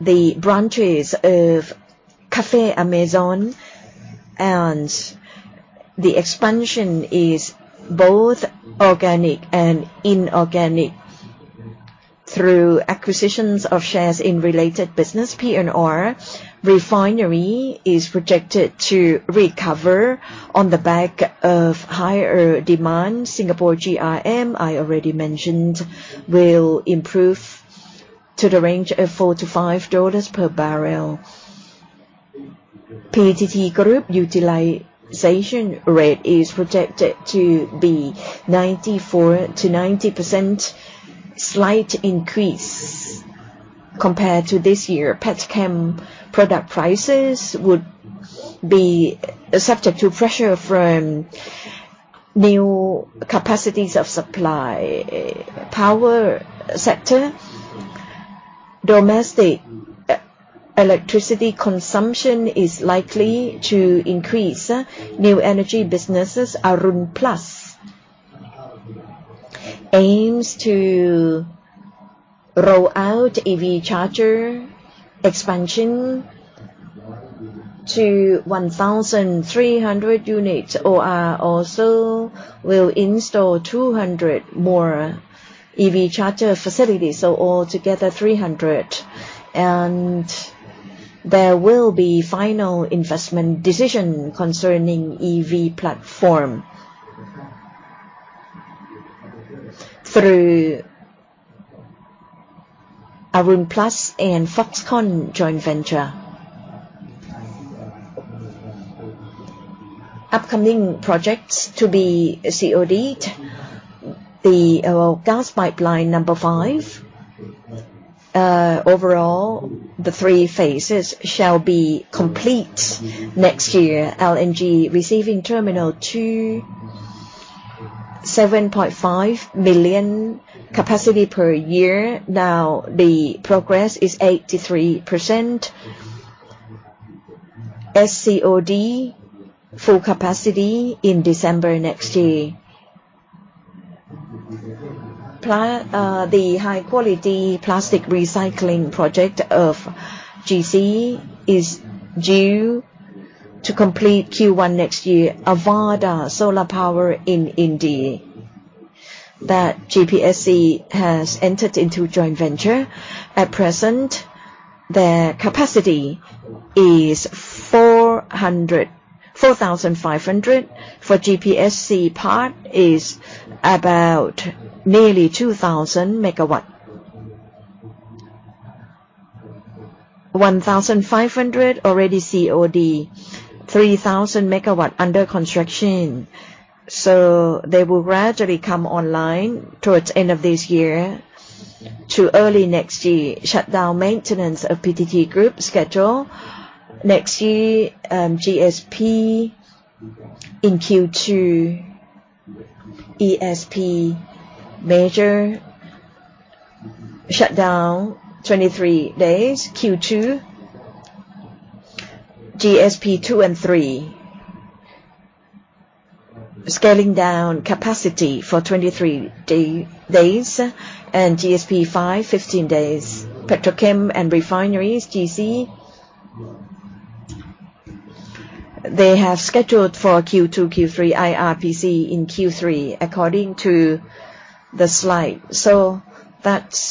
the branches of Café Amazon and the expansion is both organic and inorganic through acquisitions of shares in related business. P&R refinery is projected to recover on the back of higher demand. Singapore GRM, I already mentioned, will improve to the range of $4-$5 per barrel. PTT Group utilization rate is projected to be 94%-90%. Slight increase compared to this year. Petrochemical product prices would be subject to pressure from new capacities of supply. Power sector, domestic electricity consumption is likely to increase. New energy businesses, Arun Plus aims to roll out EV charger expansion to 1,300 units. OR also will install 200 more EV charger facilities, so altogether 300. There will be final investment decision concerning EV platform through Arun Plus and Foxconn joint venture. Upcoming projects to be COD'd. The oil gas pipeline number five. Overall, the three phases shall be complete next year. LNG receiving terminal two, 7.5 billion capacity per year. Now the progress is 83%. SCOD full capacity in December next year. The high quality plastic recycling project of GC is due to complete Q1 next year. Avaada Solar Power in India that GPSC has entered into joint venture. At present, their capacity is 4,500. For GPSC part is about nearly 2,000 MW. 1,500 already COD. 3,000 MW under construction, so they will gradually come online towards end of this year to early next year. Shutdown maintenance of PTT Group scheduled next year, GSP in Q2. GSP major shutdown 23 days Q2. GSP 2 and 3 scaling down capacity for 23 days and GSP 5, 15 days. Petrochem and refineries, GC, they have scheduled for Q2, Q3. IRPC in Q3 according to the slide. That's